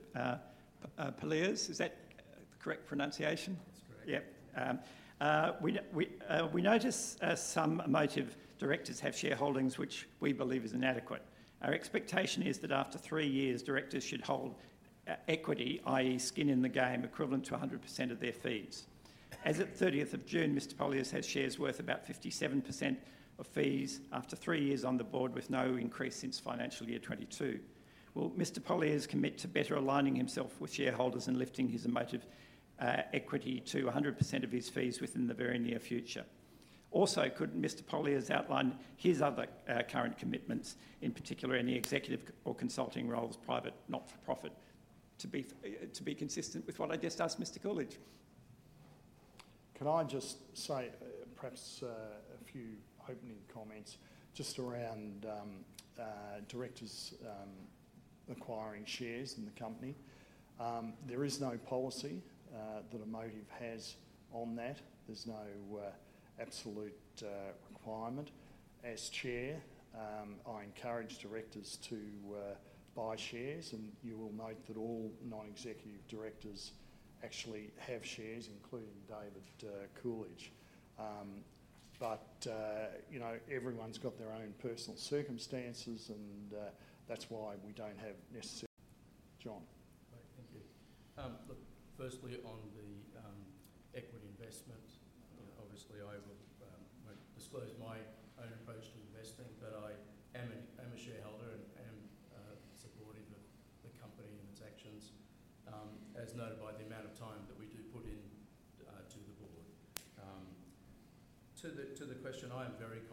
Pollaers. Is that the correct pronunciation? That's correct. Yep. We notice some Amotiv directors have shareholdings, which we believe is inadequate. Our expectation is that after three years, directors should hold equity, i.e., skin in the game, equivalent to 100% of their fees. As at thirtieth of June, Mr. Pollaers has shares worth about 57% of fees after three years on the Board, with no increase since financial year 2022. Will Mr. Pollaers commit to better aligning himself with shareholders and lifting his Amotiv equity to 100% of his fees within the very near future? Also, could Mr. Pollaers outline his other current commitments, in particular, any executive or consulting roles, private, not-for-profit, to be consistent with what I just asked Mr. Coolidge? Can I just say perhaps a few opening comments just around directors acquiring shares in the company? There is no policy that Amotiv has on that. There's no absolute requirement. As Chair, I encourage directors to buy shares, and you will note that all non-executive directors actually have shares, including David Coolidge. But you know, everyone's got their own personal circumstances, and that's why we don't have necessary... John. Right. Thank you. Look, firstly, on the equity investment, obviously, I would disclose my own approach to investing, but I am a shareholder and am supportive of the company and its actions, as noted by the amount of time that we do put in to the Board. To the question, I am very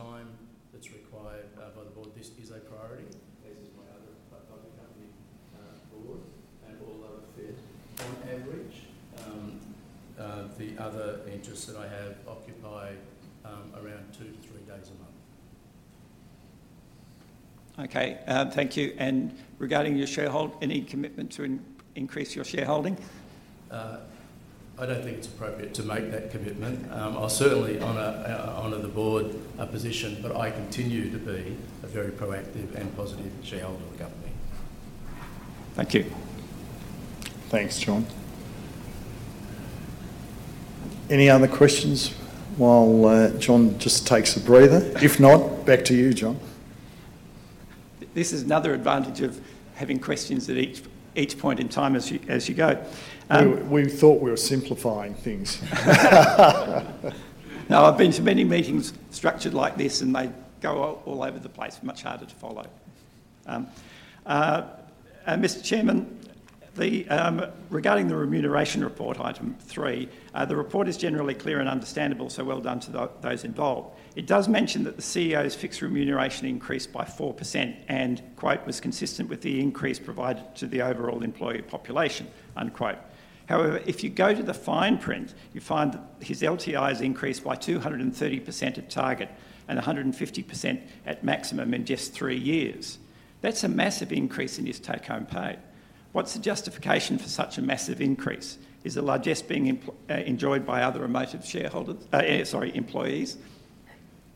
confident that Amotiv gets the majority of my time when it comes to any individual board. I'm only on one other public company, and all other involvement that I have is in not-for-profit space. And so I, when it comes to the amount of time that's required by the Board, this is a priority, as is my other public company Board, and all other fit. On average, the other interests that I have occupy around two to three days a month. Okay, thank you and regarding your shareholding, any commitment to increase your shareholding? I don't think it's appropriate to make that commitment. I'll certainly honor the board position, but I continue to be a very proactive and positive shareholder of the company. Thank you. Thanks, John. Any other questions while John just takes a breather? If not, back to you, John. This is another advantage of having questions at each point in time as you go. We thought we were simplifying things. No, I've been to many meetings structured like this, and they go all over the place. Much harder to follow. Mr. Chairman, regarding the remuneration report, item three, the report is generally clear and understandable, so well done to those involved. It does mention that the CEO's fixed remuneration increased by 4%, and, quote, "Was consistent with the increase provided to the overall employee population," unquote. However, if you go to the fine print, you find his LTI has increased by 230% at target, and 150% at maximum in just three years. That's a massive increase in his take-home pay. What's the justification for such a massive increase? Is the largesse being enjoyed by other Amotiv shareholder, sorry, employees?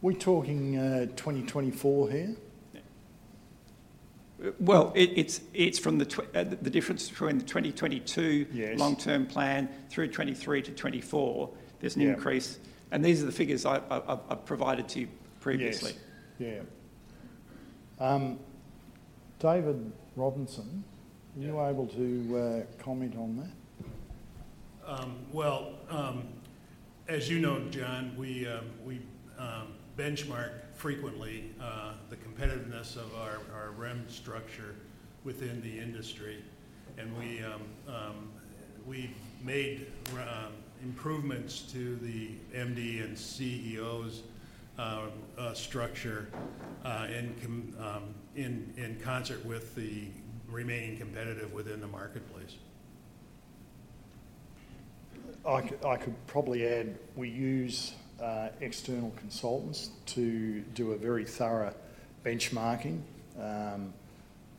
We're talking 2024 here? Yeah. Well, it's from the difference between the 2022 Yes... long-term plan through 2023 to 2024- Yeah There's an increase, and these are the figures I provided to you previously. Yes. Yeah. David Robinson- Yeah. Are you able to comment on that? Well, as you know, John, we benchmark frequently the competitiveness of our REM structure within the industry, and we have made improvements to the MD and CEO's structure in concert with to remain competitive within the marketplace. I could probably add, we use external consultants to do a very thorough benchmarking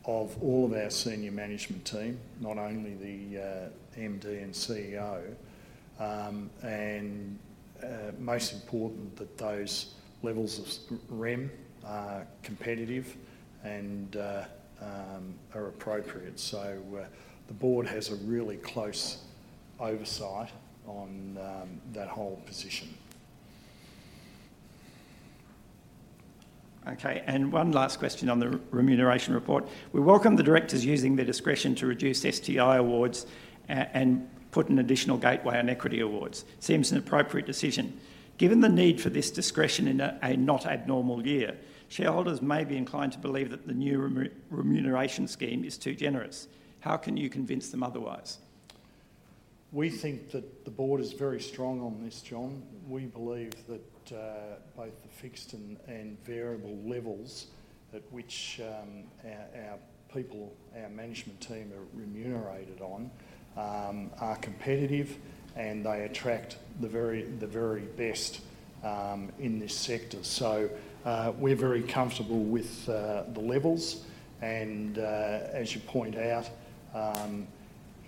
of all of our senior management team, not only the MD and CEO. And most important, that those levels of REM are competitive and are appropriate. So the board has a really close oversight on that whole position. Okay, and one last question on the remuneration report. We welcome the directors using their discretion to reduce STI awards and put an additional gateway on equity awards. Seems an appropriate decision. Given the need for this discretion in a not abnormal year, shareholders may be inclined to believe that the new remuneration scheme is too generous. How can you convince them otherwise? We think that the board is very strong on this, John. We believe that both the fixed and variable levels at which our people, our management team are remunerated on are competitive, and they attract the very best in this sector. So, we're very comfortable with the levels and, as you point out,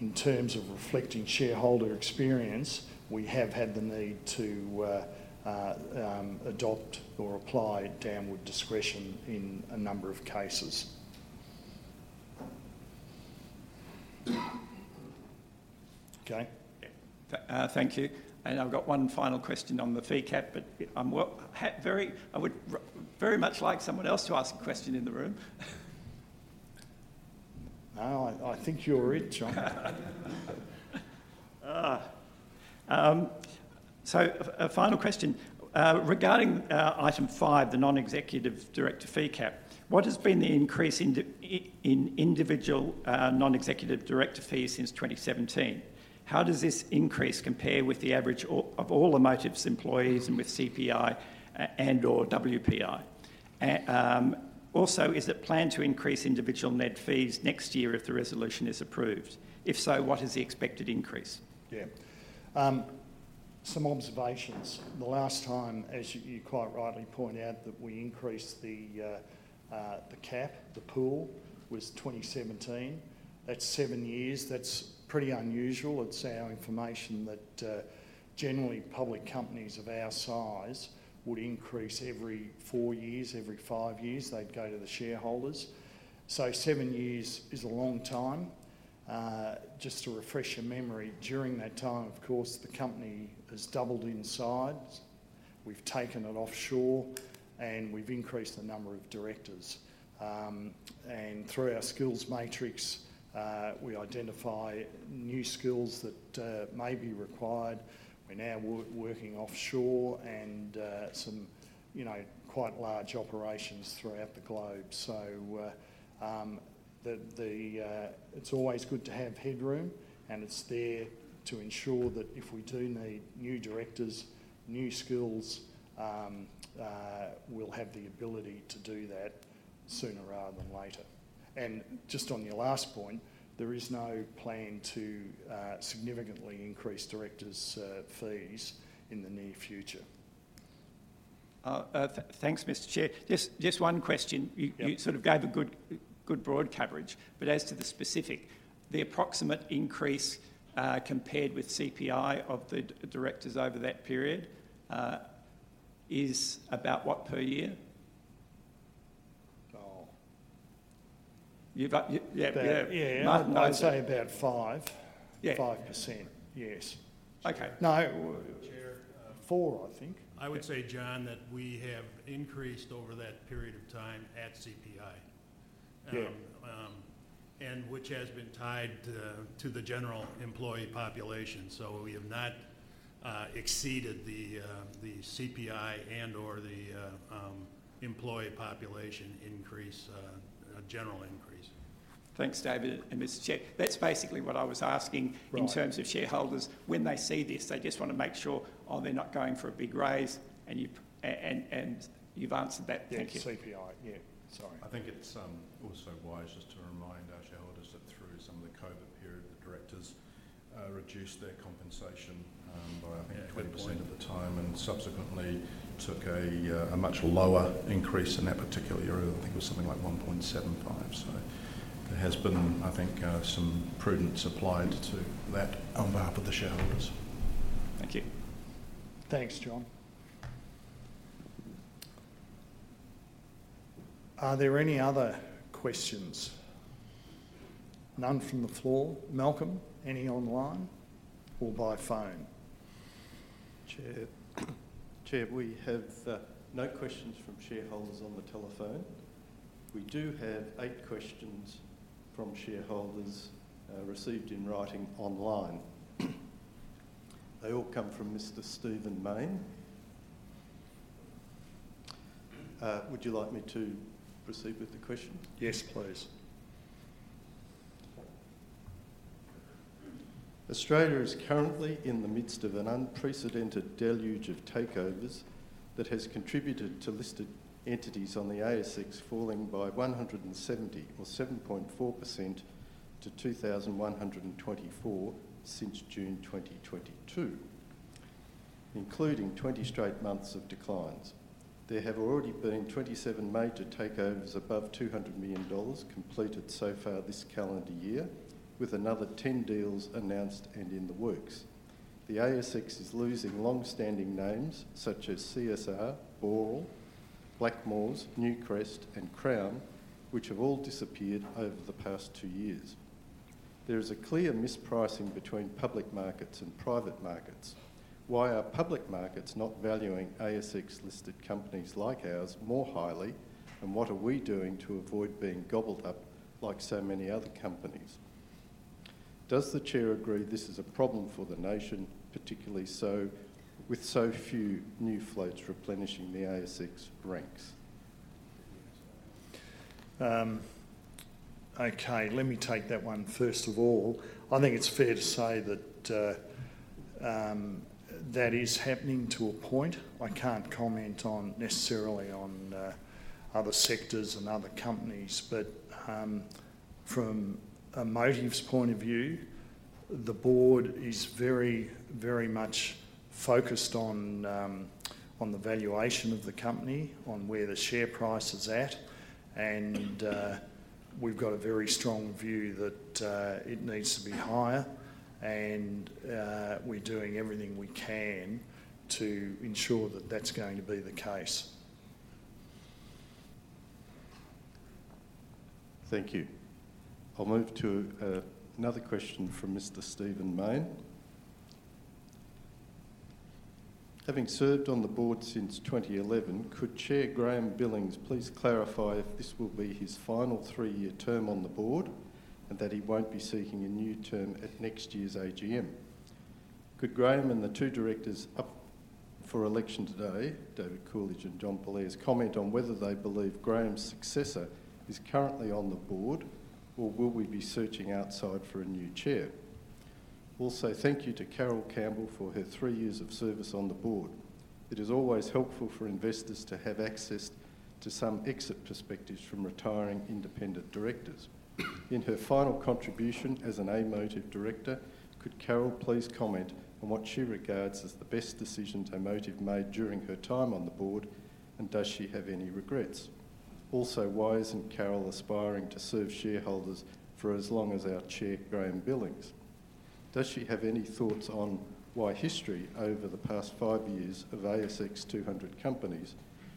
in terms of reflecting shareholder experience, we have had the need to adopt or apply downward discretion in a number of cases. Okay? Yeah. Thank you, and I've got one final question on the fee cap, but it, I'm very... I would very much like someone else to ask a question in the room. No, I think you're it, John. So, a final question. Regarding item five, the non-executive director fee cap, what has been the increase in individual non-executive director fees since 2017? How does this increase compare with the average of all Amotiv's employees and with CPI and/or WPI? And, also, is it planned to increase individual NED fees next year if the resolution is approved? If so, what is the expected increase? Yeah. Some observations. The last time, as you, you quite rightly point out, that we increased the, the cap, the pool, was 2017. That's seven years. That's pretty unusual. It's our information that, generally, public companies of our size would increase every four years, every five years, they'd go to the shareholders. So seven years is a long time. Just to refresh your memory, during that time, of course, the company has doubled in size, we've taken it offshore, and we've increased the number of directors. And through our skills matrix, we identify new skills that may be required. We're now working offshore and, some, you know, quite large operations throughout the globe. So, the... It's always good to have headroom, and it's there to ensure that if we do need new directors, new skills, we'll have the ability to do that sooner rather than later. And just on your last point, there is no plan to significantly increase directors', fees in the near future. Thanks, Mr. Chair. Just one question. Yeah. You sort of gave a good broad coverage, but as to the specific approximate increase compared with CPI of the directors over that period, is about what per year? Oh. You've got, yep, yeah. Yeah. I, I- I'd say about five. Yeah. 5%. Yes. Okay. No- Mr. Chair... four, I think. I would say, John, that we have increased over that period of time at CPI. Yeah. Which has been tied to the general employee population, so we have not exceeded the CPI and or the employee population increase, general increase. Thanks, David and Mr. Chair. That's basically what I was asking. Right In terms of shareholders. When they see this, they just want to make sure, oh, they're not going for a big raise, and you've answered that. Thank you. Yeah, CPI. Yeah, sorry. I think it's also wise just to remind our shareholders that through some of the COVID period, the directors reduced their compensation by, I think- Yeah, 20.... 20% at the time, and subsequently took a much lower increase in that particular year. I think it was something like 1.75. So there has been, I think, some prudence applied to that on behalf of the shareholders. Thank you. Thanks, John. Are there any other questions? None from the floor. Malcolm, any online or by phone? Chair, Chair, we have no questions from shareholders on the telephone. We do have eight questions from shareholders received in writing online. They all come from Mr. Stephen Mayne. Would you like me to proceed with the question? Yes, please. Australia is currently in the midst of an unprecedented deluge of takeovers that has contributed to listed entities on the ASX falling by 170, or 7.4%, to 2,124 since June 2022, including 20 straight months of declines. There have already been 27 major takeovers above 200 million dollars completed so far this calendar year, with another 10 deals announced and in the works. The ASX is losing long-standing names such as CSR, Boral, Blackmores, Newcrest, and Crown, which have all disappeared over the past two years. There is a clear mispricing between public markets and private markets. Why are public markets not valuing ASX-listed companies like ours more highly, and what are we doing to avoid being gobbled up like so many other companies? Does the Chair agree this is a problem for the nation, particularly so with so few new floats replenishing the ASX ranks? Okay, let me take that one. First of all, I think it's fair to say that that is happening to a point. I can't comment on, necessarily on, other sectors and other companies, but, from a Amotiv's point of view, the Board is very, very much focused on, on the valuation of the company, on where the share price is at, and, we're doing everything we can to ensure that that's going to be the case. Thank you. I'll move to, another question from Mr. Stephen Mayne. "Having served on the board since 2011, could Chair Graeme Billings please clarify if this will be his final three-year term on the Board, and that he won't be seeking a new term at next year's AGM? Could Graeme and the two directors up for election today, David Coolidge and John Pollaers, comment on whether they believe Graeme's successor is currently on the Board, or will we be searching outside for a new Chair? Also, thank you to Carole Campbell for her three years of service on the board. It is always helpful for investors to have access to some exit perspectives from retiring independent directors. In her final contribution as an Amotiv director, could Carole please comment on what she regards as the best decision that Amotiv made during her time on the Board, and does she have any regrets? Also, why isn't Carole aspiring to serve shareholders for as long as our Chair, Graeme Billings? Does she have any thoughts on why history over the past five years of ASX two hundred companies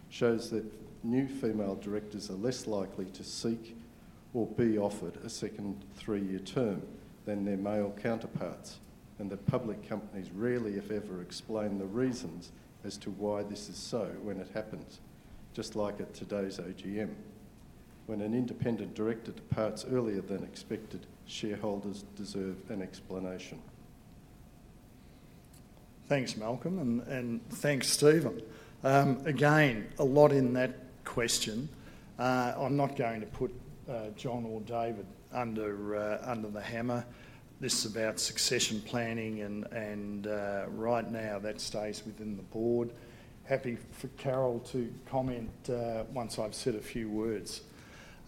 shows that new female directors are less likely to seek or be offered a second three-year term than their male counterparts, and that public companies rarely, if ever, explain the reasons as to why this is so when it happens, just like at today's AGM? When an independent director departs earlier than expected, shareholders deserve an explanation. Thanks, Malcolm, and thanks, Steven. Again, a lot in that question. I'm not going to put John or David under the hammer. This is about succession planning and right now, that stays within the Board. Happy for Carole to comment once I've said a few words.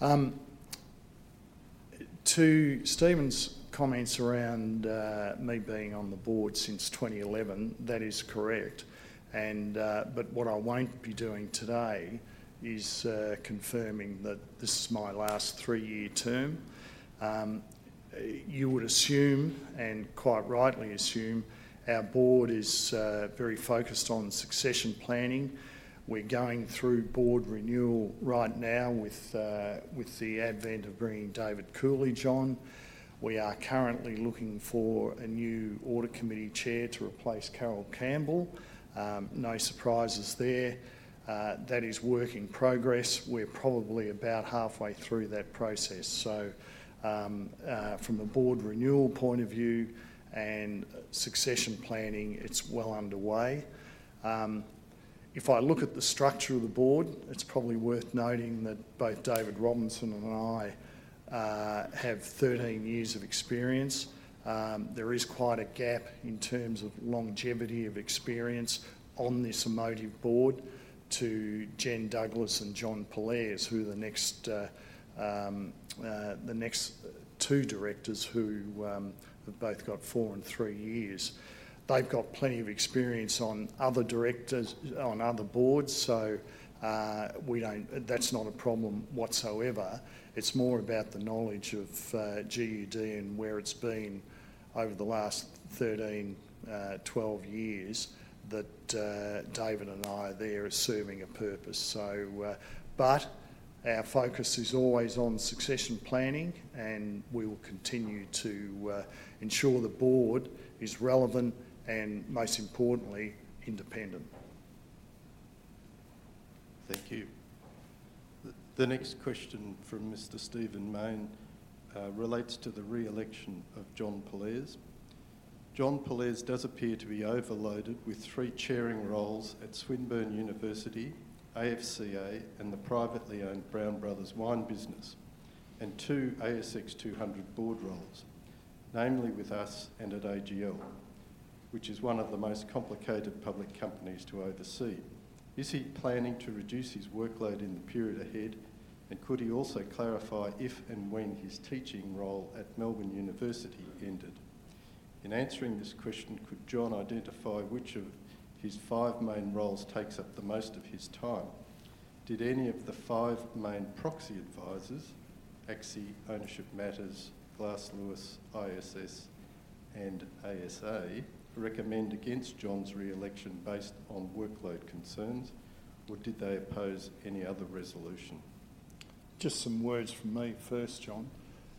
To Steven's comments around me being on the Board since 2011, that is correct, and but what I won't be doing today is confirming that this is my last three-year term. You would assume, and quite rightly assume, our board is very focused on succession planning. We're going through board renewal right now with the advent of bringing David Coolidge on. We are currently looking for a new audit committee chair to replace Carole Campbell. No surprises there. That is work in progress. We're probably about halfway through that process. So, from a Board renewal point of view and succession planning, it's well underway. If I look at the structure of the Board, it's probably worth noting that both David Robinson and I have 13 years of experience. There is quite a gap in terms of longevity of experience on this Amotiv Board to Jen Douglas and John Pollaers, who are the next two directors who have both got four and three years. They've got plenty of experience on other directors, on other Boards, so we don't, that's not a problem whatsoever. It's more about the knowledge of GUD and where it's been over the last 13, 12 years, that David and I are there serving a purpose. Our focus is always on succession planning, and we will continue to ensure the Board is relevant and most importantly, independent. Thank you. The next question from Mr. Stephen Mayne relates to the re-election of John Pollaers. "John Pollaers does appear to be overloaded with three chairing roles at Swinburne University, AFCA, and the privately owned Brown Brothers Wine business, and two ASX 200 Board roles, namely with us and at AGL, which is one of the most complicated public companies to oversee. Is he planning to reduce his workload in the period ahead? And could he also clarify if and when his teaching role at Melbourne University ended? In answering this question, could John identify which of his five main roles takes up the most of his time? Did any of the five main proxy advisors, ACSI, Ownership Matters, Glass Lewis, ISS, and ASA, recommend against John's re-election based on workload concerns, or did they oppose any other resolution? Just some words from me first, John.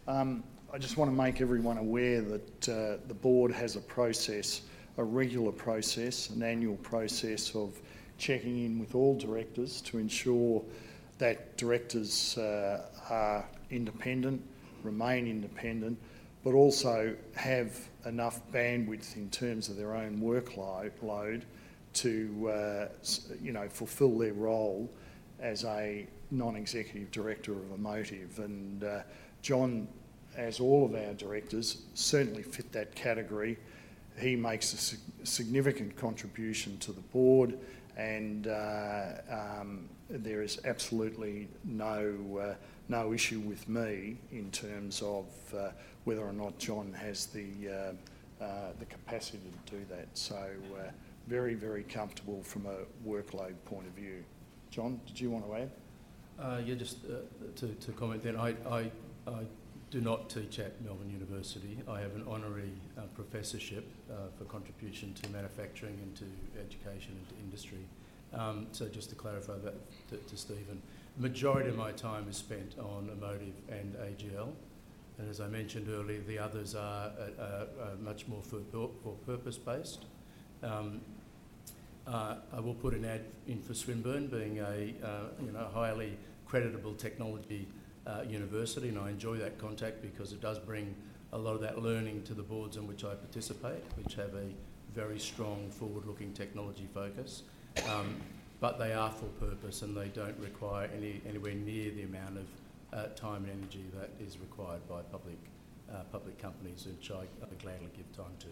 I just want to make everyone aware that the Board has a process, a regular process, an annual process of checking in with all directors to ensure that directors are independent, remain independent, but also have enough bandwidth in terms of their own work load to you know, fulfill their role as a non-executive director of Amotiv. And John, as all of our directors, certainly fit that category. He makes a significant contribution to the Board, and there is absolutely no issue with me in terms of whether or not John has the capacity to do that. So very, very comfortable from a workload point of view. John, did you want to add? Yeah, just to comment then. I do not teach at Melbourne University. I have an honorary professorship for contribution to manufacturing and to education and to industry. So just to clarify that to Steven. Majority of my time is spent on Emotive and AGL, and as I mentioned earlier, the others are much more for purpose-based. I will put an ad in for Swinburne being a, you know, highly credible technology university, and I enjoy that contact because it does bring a lot of that learning to the boards in which I participate, which have a very strong forward-looking technology focus. But they are for purpose, and they don't require any, anywhere near the amount of time and energy that is required by public companies, which I gladly give time to.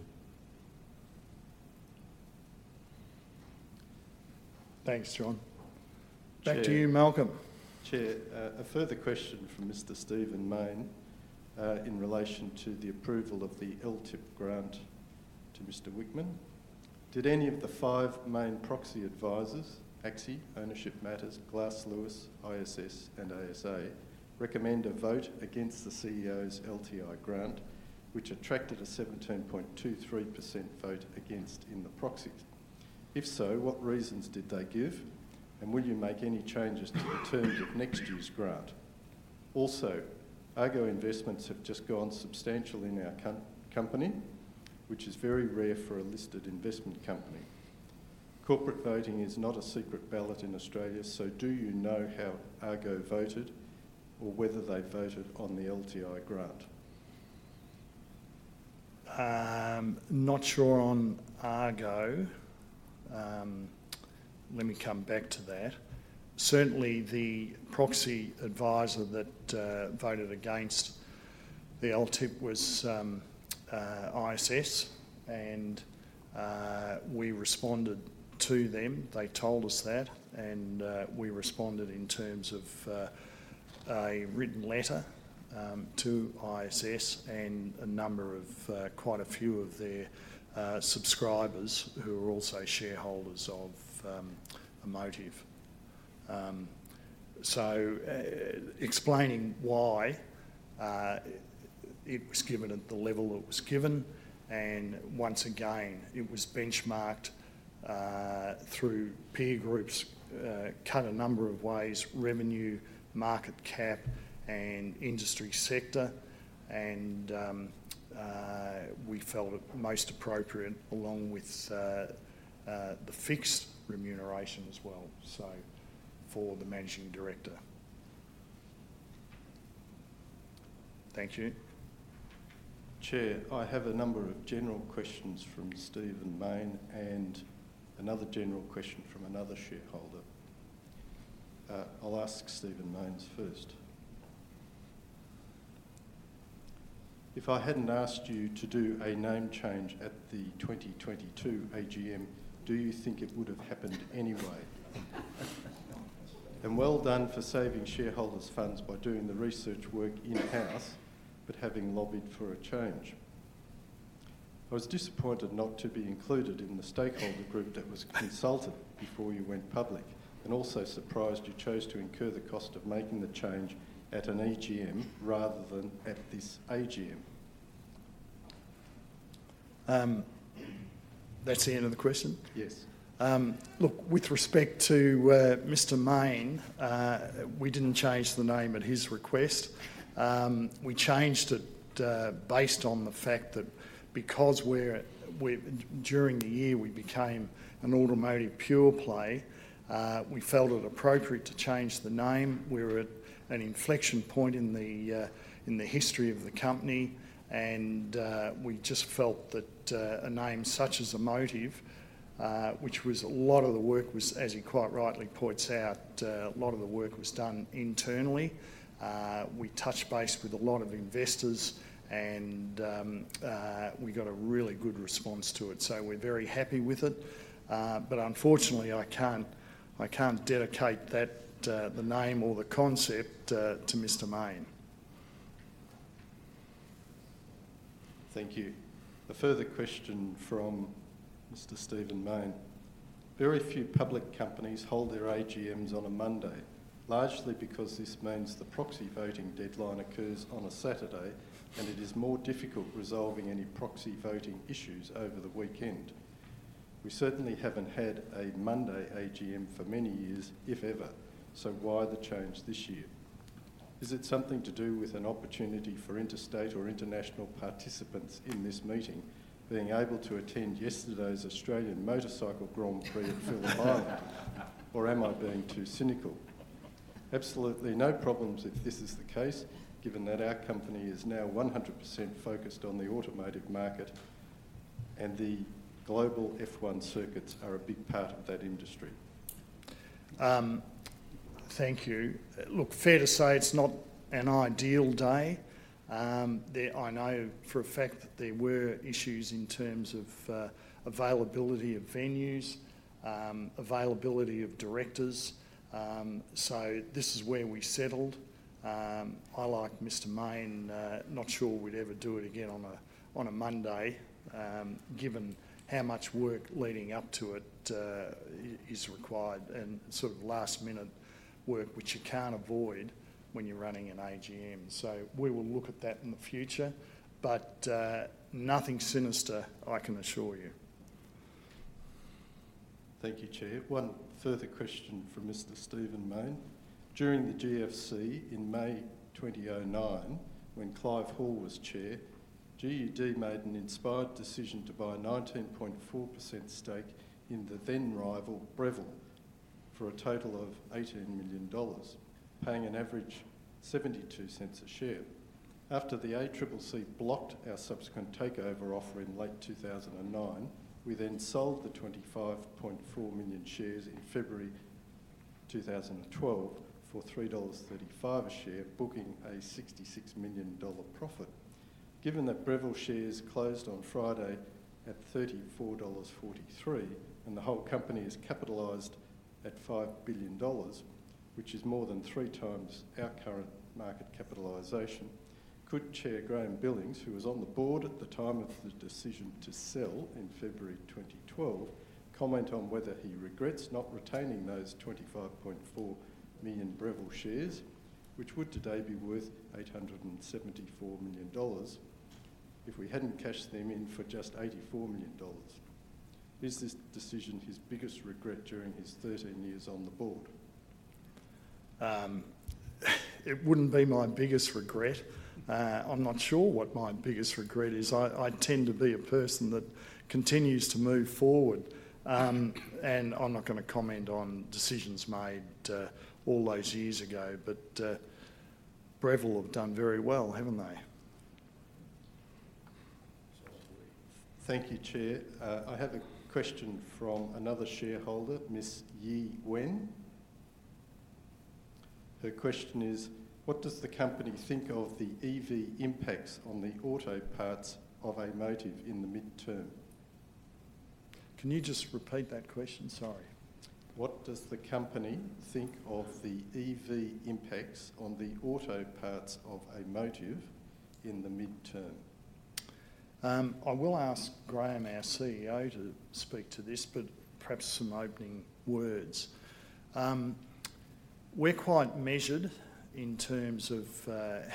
Thanks, John. Chair- Back to you, Malcolm. Chair, a further question from Mr. Stephen Mayne, in relation to the approval of the LTIP grant to Mr. Whickman: "Did any of the five main proxy advisors, ACSI, Ownership Matters, Glass Lewis, ISS, and ASA, recommend a vote against the CEO's LTI grant, which attracted a 17.23% vote against in the proxy? If so, what reasons did they give, and will you make any changes to the terms of next year's grant? Also, Argo Investments have just gone substantial in our company, which is very rare for a listed investment company. Corporate voting is not a secret ballot in Australia, so do you know how Argo voted or whether they voted on the LTI grant? Not sure on Argo. Let me come back to that. Certainly, the proxy advisor that voted against the LTIP was ISS, and we responded to them. They told us that, and we responded in terms of a written letter to ISS and a number of quite a few of their subscribers who are also shareholders of Amotiv. So explaining why it was given at the level it was given, and once again, it was benchmarked through peer groups cut a number of ways: revenue, market cap, and industry sector. And we felt it most appropriate, along with the fixed remuneration as well, so for the managing director.... Thank you. Chair, I have a number of general questions from Stephen Mayne and another general question from another shareholder. I'll ask Stephen Mayne's first. If I hadn't asked you to do a name change at the 2022 AGM, do you think it would have happened anyway?, and well done for saving shareholders' funds by doing the research work in-house, but having lobbied for a change. I was disappointed not to be included in the stakeholder group that was consulted before you went public, and also surprised you chose to incur the cost of making the change at an AGM rather than at this AGM. That's the end of the question? Yes. Look, with respect to Mr. Mayne, we didn't change the name at his request. We changed it based on the fact that because we're during the year, we became an automotive pure play, we felt it appropriate to change the name. We were at an inflection point in the history of the company, and we just felt that a name such as Amotiv, which was a lot of the work was, as he quite rightly points out, a lot of the work was done internally. We touched base with a lot of investors and we got a really good response to it, so we're very happy with it. But unfortunately, I can't, I can't dedicate that the name or the concept to Mr. Mayne. Thank you. A further question from Mr. Stephen Mayne. Very few public companies hold their AGMs on a Monday, largely because this means the proxy voting deadline occurs on a Saturday, and it is more difficult resolving any proxy voting issues over the weekend. We certainly haven't had a Monday AGM for many years, if ever, so why the change this year? Is it something to do with an opportunity for interstate or international participants in this meeting being able to attend yesterday's Australian Motorcycle Grand Prix at Phillip Island? Or am I being too cynical? Absolutely no problems if this is the case, given that our company is now 100% focused on the automotive market, and the global F1 circuits are a big part of that industry. Thank you. Look, fair to say it's not an ideal day. I know for a fact that there were issues in terms of, availability of venues, availability of directors. So this is where we settled. I, like Mr. Mayne, not sure we'd ever do it again on a, on a Monday, given how much work leading up to it, is required, and sort of last-minute work, which you can't avoid when you're running an AGM. So we will look at that in the future, but, nothing sinister, I can assure you. Thank you, Chair. One further question from Mr. Stephen Mayne. During the GFC in May 2009, when Clive Hall was chair, GUD made an inspired decision to buy a 19.4% stake in the then rival, Breville, for a total of 18 million dollars, paying an average 0.72 a share. After the ACCC blocked our subsequent takeover offer in late 2009, we then sold the 25.4 million shares in February 2012 for 3.35 dollars a share, booking a 66 million dollar profit. Given that Breville shares closed on Friday at 34.43 dollars, and the whole company is capitalized at 5 billion dollars, which is more than three times our current market capitalization, could Chair Graeme Billings, who was on the board at the time of the decision to sell in February 2012, comment on whether he regrets not retaining those 25.4 million Breville shares, which would today be worth 874 million dollars if we hadn't cashed them in for just 84 million dollars? Is this decision his biggest regret during his 13 years on the board? It wouldn't be my biggest regret. I'm not sure what my biggest regret is. I tend to be a person that continues to move forward, and I'm not gonna comment on decisions made all those years ago, but Breville have done very well, haven't they? Thank you, Chair. I have a question from another shareholder, Ms. Yi Wen. Her question is: What does the company think of the EV impacts on the auto parts of Amotiv in the midterm? Can you just repeat that question? Sorry. What does the company think of the EV impacts on the auto parts of Amotiv in the midterm? I will ask Graeme, our CEO, to speak to this, but perhaps some opening words. We're quite measured in terms of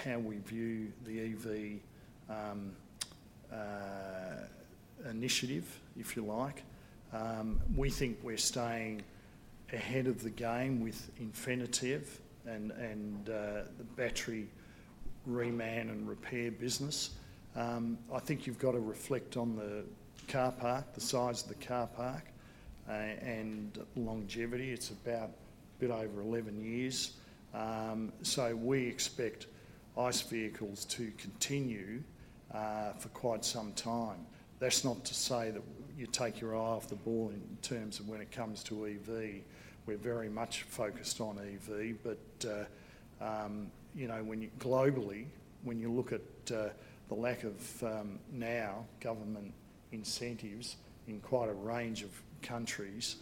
how we view the EV initiative, if you like. We think we're staying ahead of the game with Infinitev and the battery reman and repair business. I think you've got to reflect on the car park, the size of the car park and longevity. It's about a bit over eleven years, so we expect ICE vehicles to continue for quite some time. That's not to say that you take your eye off the ball in terms of when it comes to EV. We're very much focused on EV, but, you know, when you globally, when you look at the lack of now government incentives in quite a range of countries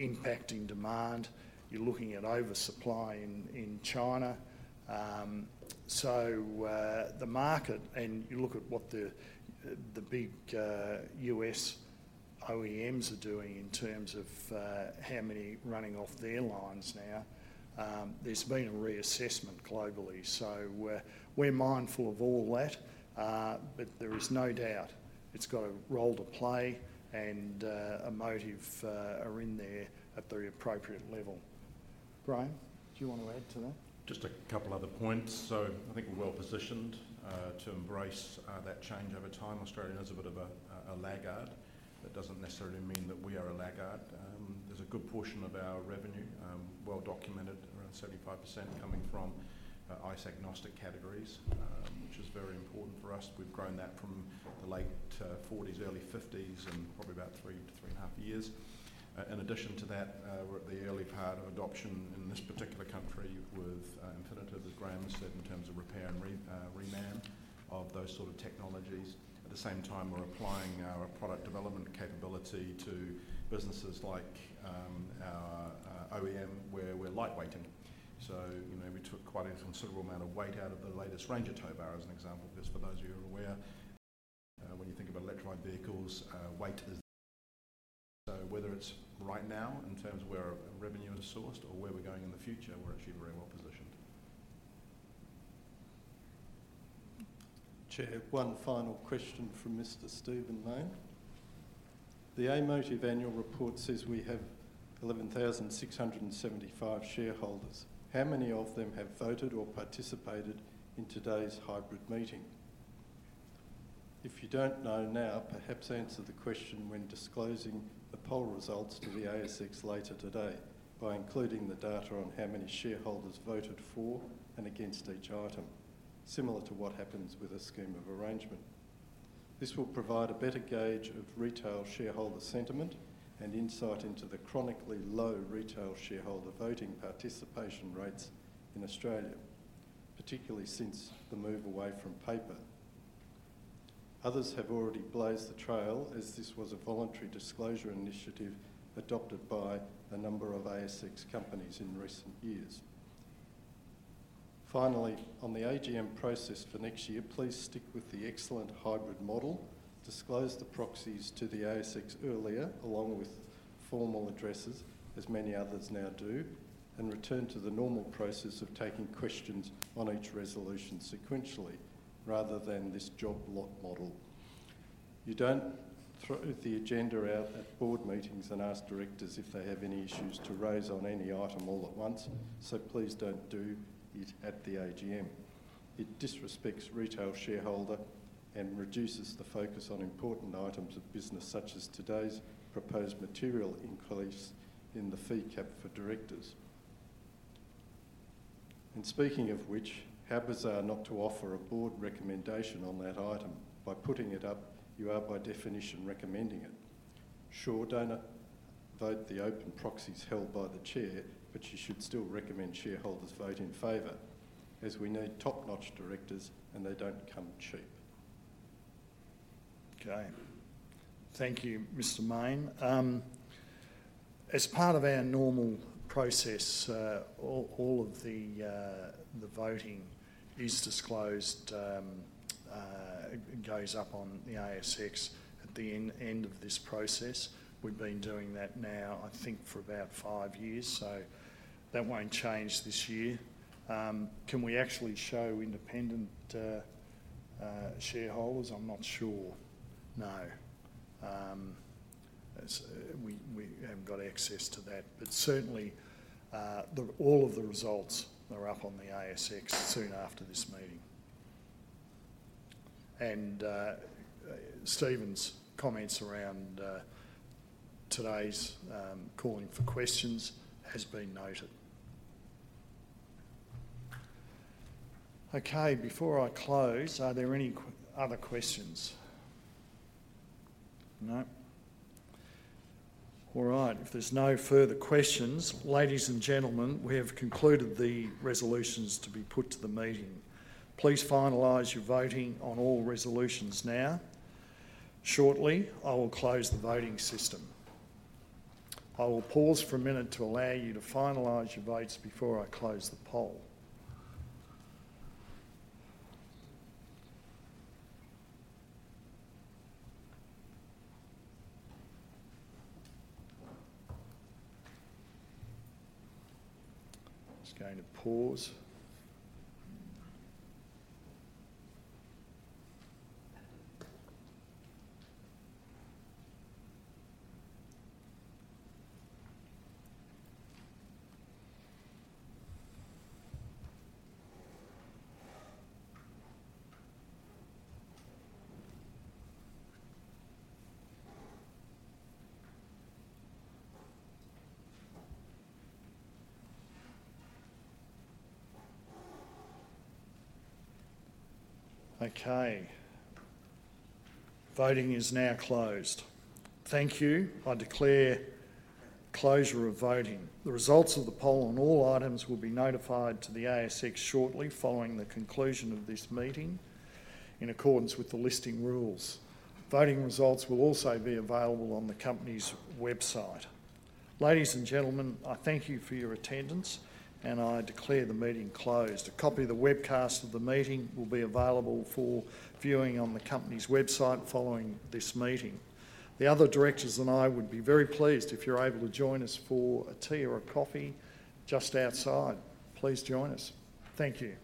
impacting demand, you're looking at oversupply in China. So, the market and you look at what the big U.S. OEMs are doing in terms of how many running off their lines now, there's been a reassessment globally. So we're mindful of all that, but there is no doubt it's got a role to play and Amotiv are in there at the appropriate level. Graeme, do you want to add to that? Just a couple other points. So I think we're well positioned to embrace that change over time. Australia is a bit of a laggard. That doesn't necessarily mean that we are a laggard. There's a good portion of our revenue, well documented, around 75%, coming from ICE-agnostic categories, which is very important for us. We've grown that from the late forties, early fifties in probably about three to three and a half years. In addition to that, we're at the early part of adoption in this particular country with initiatives, as Graeme said, in terms of repair and reman of those sort of technologies. At the same time, we're applying our product development capability to businesses like our OEM, where we're lightweighting. So, you know, we took quite a considerable amount of weight out of the latest range of tow bars, as an example, because for those of you who are aware, when you think of electric vehicles, weight is. So whether it's right now, in terms of where our revenue is sourced or where we're going in the future, we're actually very well positioned. Chair, one final question from Mr. Stephen Mayne. The Amotiv annual report says we have 11,675 shareholders. How many of them have voted or participated in today's hybrid meeting? If you don't know now, perhaps answer the question when disclosing the poll results to the ASX later today by including the data on how many shareholders voted for and against each item, similar to what happens with a scheme of arrangement. This will provide a better gauge of retail shareholder sentiment and insight into the chronically low retail shareholder voting participation rates in Australia, particularly since the move away from paper. Others have already blazed the trail, as this was a voluntary disclosure initiative adopted by a number of ASX companies in recent years. Finally, on the AGM process for next year, please stick with the excellent hybrid model. Disclose the proxies to the ASX earlier, along with formal addresses, as many others now do, and return to the normal process of taking questions on each resolution sequentially, rather than this job lot model. You don't throw the agenda out at Board meetings and ask directors if they have any issues to raise on any item all at once, so please don't do it at the AGM. It disrespects retail shareholder and reduces the focus on important items of business, such as today's proposed material increase in the fee cap for directors. And speaking of which, how bizarre not to offer a Board recommendation on that item. By putting it up, you are, by definition, recommending it. Sure, don't vote the open proxies held by the chair, but you should still recommend shareholders vote in favor, as we need top-notch directors, and they don't come cheap. Okay. Thank you, Mr. Mayne. As part of our normal process, all of the voting is disclosed. It goes up on the ASX at the end of this process. We've been doing that now, I think, for about five years, so that won't change this year. Can we actually show independent shareholders? I'm not sure. No. As we haven't got access to that, but certainly, all of the results are up on the ASX soon after this meeting. And, Stephen's comments around today's calling for questions has been noted. Okay, before I close, are there any other questions? No. All right. If there's no further questions, ladies and gentlemen, we have concluded the resolutions to be put to the meeting. Please finalize your voting on all resolutions now. Shortly, I will close the voting system. I will pause for a minute to allow you to finalize your votes before I close the poll. Just going to pause. Okay. Voting is now closed. Thank you. I declare closure of voting. The results of the poll on all items will be notified to the ASX shortly following the conclusion of this meeting, in accordance with the listing rules. Voting results will also be available on the company's website. Ladies and gentlemen, I thank you for your attendance, and I declare the meeting closed. A copy of the webcast of the meeting will be available for viewing on the company's website following this meeting. The other directors and I would be very pleased if you're able to join us for a tea or a coffee just outside. Please join us. Thank you.